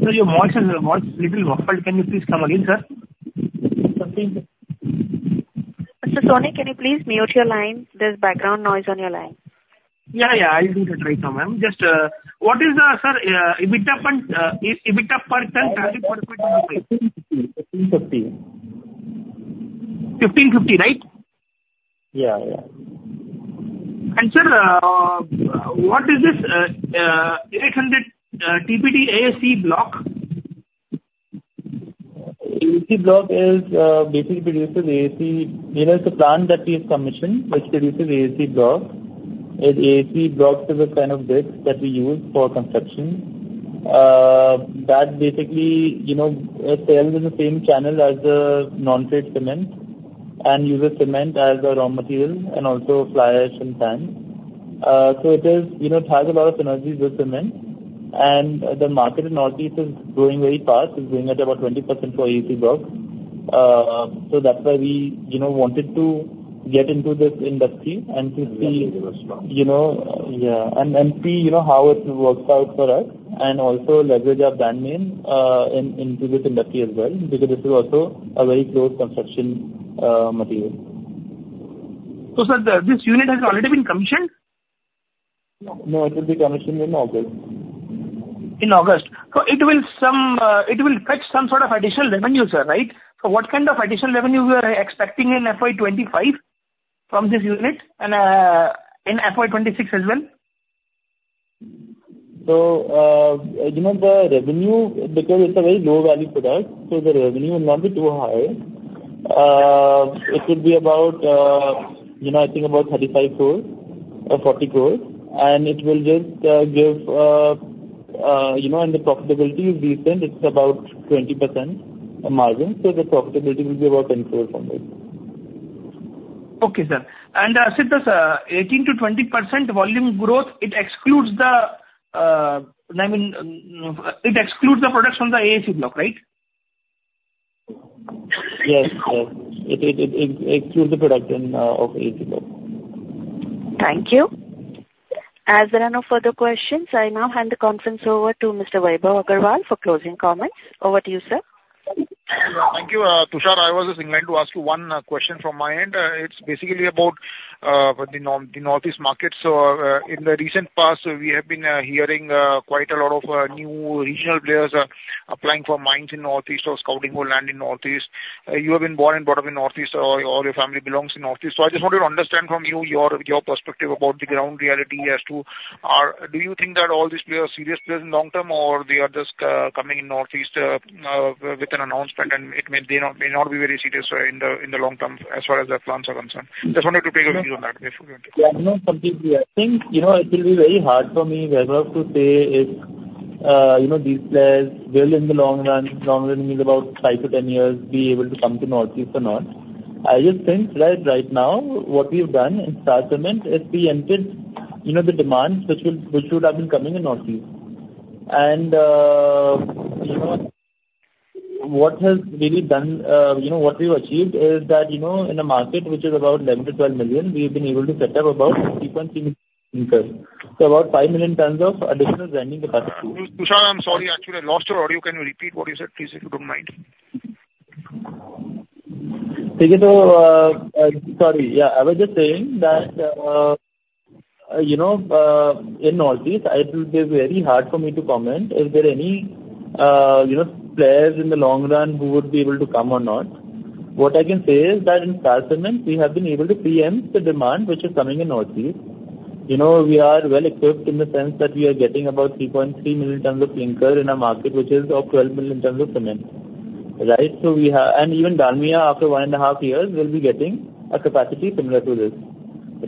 Sir, your voice is a little muffled. Can you please come again, sir? 15%, 15%. Mr. Soni, can you please mute your line? There's background noise on your line. Yeah. Yeah. I'll do that right now, ma'am. Just what is the, sir, EBITDA per ton target for FY2025? 15%, 15%. 15%, 15%, right? Yeah. Yeah. Sir, what is this 800 TPD AAC block? AAC blocks basically produce AAC. It is a plant that we have commissioned which produces AAC blocks. AAC blocks are a kind of brick that we use for construction that basically sells in the same channel as the non-trade cement and uses cement as a raw material and also fly ash and sand. So it has a lot of synergy with cement. And the market in Northeast is growing very fast. It's going at about 20% for AAC blocks. So that's why we wanted to get into this industry and to see. That's a really good response. Yeah. And see how it works out for us and also leverage our brand name into this industry as well because this is also a very close construction material. Sir, this unit has already been commissioned? No. It will be commissioned in August. In August. So it will fetch some sort of additional revenue, sir, right? So what kind of additional revenue you are expecting in FY 2025 from this unit and in FY 2026 as well? So the revenue, because it's a very low-value product, so the revenue will not be too high. It would be about, I think, about 35 crore-40 crore. And it will just give and the profitability is decent. It's about 20% margin. So the profitability will be about 10 crore from this. Okay, sir. And sir, the 18%-20% volume growth, it excludes the—I mean, it excludes the product from the AAC block, right? Yes. Yes. It excludes the product of AAC block. Thank you. As there are no further questions, I now hand the conference over to Mr. Vaibhav Agarwal for closing comments. Over to you, sir. Thank you. Tushar, I was just in line to ask you one question from my end. It's basically about the Northeast market. So in the recent past, we have been hearing quite a lot of new regional players applying for mines in Northeast or scouting for land in Northeast. You have been born and brought up in Northeast, or your family belongs in Northeast. So I just wanted to understand from you your perspective about the ground reality as to do you think that all these players are serious players in the long term, or they are just coming in Northeast with an announcement, and they may not be very serious in the long term as far as their plans are concerned? Just wanted to take a view on that. Yeah. No, completely. I think it will be very hard for me to say if these players will, in the long run—long run means about five-10 years—be able to come to Northeast or not. I just think that right now, what we've done in Star Cement is we entered the demands which would have been coming in Northeast. And what has really done what we've achieved is that in a market which is about 11 million-12 million, we've been able to set up about 3.3 million clinker. So about 5 million tons of additional grinding capacity. Tushar, I'm sorry. Actually, I lost your audio. Can you repeat what you said, please, if you don't mind? Okay. So sorry. Yeah. I was just saying that in Northeast, it will be very hard for me to comment if there are any players in the long run who would be able to come or not. What I can say is that in Star Cement, we have been able to preempt the demand which is coming in Northeast. We are well-equipped in the sense that we are getting about 3.3 million tons of clinker in a market which is of 12 million tons of cement, right? And even Dalmia, after one and a half years, will be getting a capacity similar to this,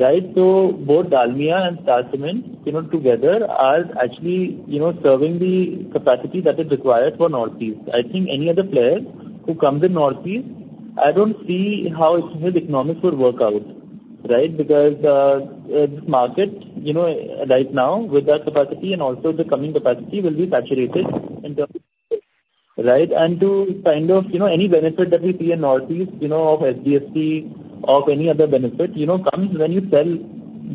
right? So both Dalmia and Star Cement together are actually serving the capacity that is required for Northeast. I think any other player who comes in Northeast, I don't see how his economics would work out, right? Because this market right now, with that capacity and also the coming capacity, will be saturated in terms of, right? And to kind of any benefit that we see in Northeast of SGST, of any other benefit, comes when you sell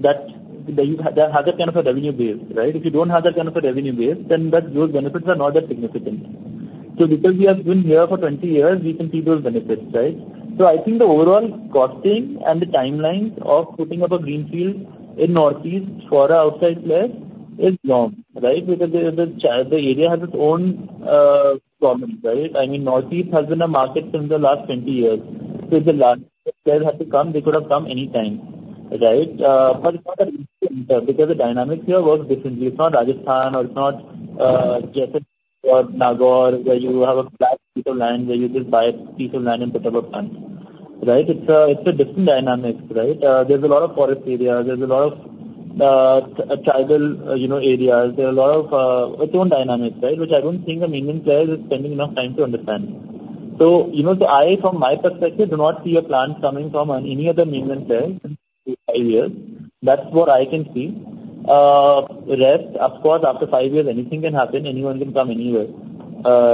that you have that kind of a revenue base, right? If you don't have that kind of a revenue base, then those benefits are not that significant. So because we have been here for 20 years, we can see those benefits, right? So I think the overall costing and the timelines of putting up a greenfield in Northeast for outside players is long, right? Because the area has its own problems, right? I mean, Northeast has been a market since the last 20 years. So if the last player had to come, they could have come anytime, right? But it's not a recent because the dynamics here work differently. It's not Rajasthan, or it's not Jaisalmer or Nagaur where you have a flat piece of land where you just buy a piece of land and put up a plant, right? It's a different dynamic, right? There's a lot of forest areas. There's a lot of tribal areas. There are a lot of its own dynamics, right, which I don't think a mainland player is spending enough time to understand. So I, from my perspective, do not see a plant coming from any other mainland player in five years. That's what I can see. Rest, of course, after five years, anything can happen. Anyone can come anywhere,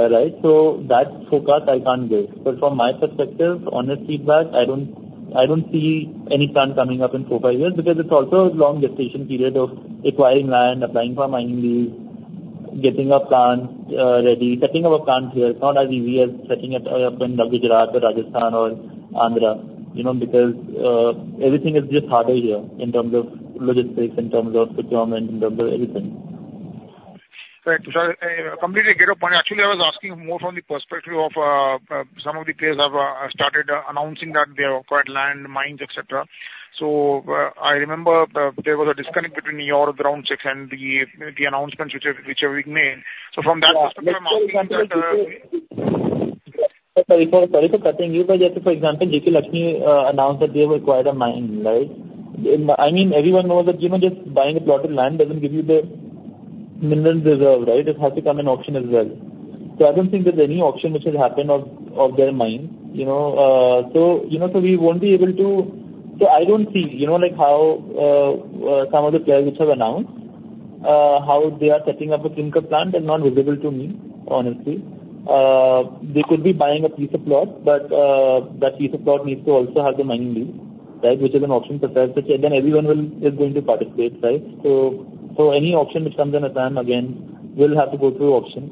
right? So that forecast, I can't give. But from my perspective, honest feedback, I don't see any plant coming up in four-five years because it's also a long gestation period of acquiring land, applying for mining leases, getting our plants ready, setting up a plant here. It's not as easy as setting it up in Gujarat or Rajasthan or Andhra because everything is just harder here in terms of logistics, in terms of procurement, in terms of everything. Correct. Tushar, I completely get your point. Actually, I was asking more from the perspective of some of the players have started announcing that they acquired land, mines, etc. So I remember there was a disconnect between your ground checks and the announcements which have been made. So from that perspective, I'm asking that. Sorry for cutting you, but for example, JK Lakshmi announced that they have acquired a mine, right? I mean, everyone knows that just buying a plot of land doesn't give you the minerals reserve, right? It has to come in auction as well. So I don't think there's any auction which has happened of their mines. So we won't be able to, so I don't see how some of the players which have announced how they are setting up a clinker plant is not visible to me, honestly. They could be buying a piece of plot, but that piece of plot needs to also have the mining lease, right, which is an auction process, which then everyone is going to participate, right? So any auction which comes at a time, again, will have to go through auction.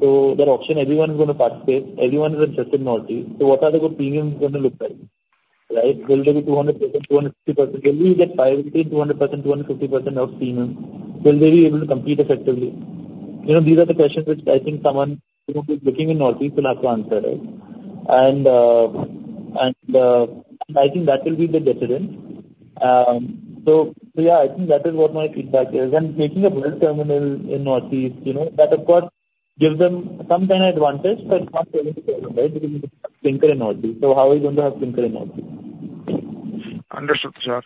So that auction, everyone is going to participate. Everyone is interested in Northeast. So what are the premiums going to look like, right? Will there be 200%, 250%? Will we get 5%, 15%, 200%, 250% of premiums? Will they be able to compete effectively? These are the questions which I think someone who's looking in Northeast will have to answer, right? And I think that will be the difference. So yeah, I think that is what my feedback is. And making a well-integrated in Northeast, that, of course, gives them some kind of advantage, but it's not solving the problem, right, because it's Clinker in Northeast. So how are we going to have Clinker in Northeast? Understood, Tushar.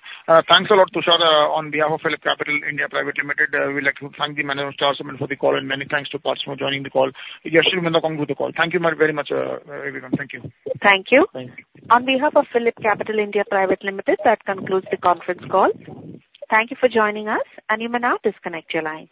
Thanks a lot, Tushar, on behalf of PhillipCapital (India) Pvt. Ltd. We'd like to thank the management of Star Cement for the call, and many thanks to participants joining the call. Yashashri, thank you for conducting the call. Thank you very much, everyone. Thank you. Thank you. Thank you. On behalf of PhillipCapital (India) Pvt. Ltd., that concludes the conference call. Thank you for joining us, and you may now disconnect your line.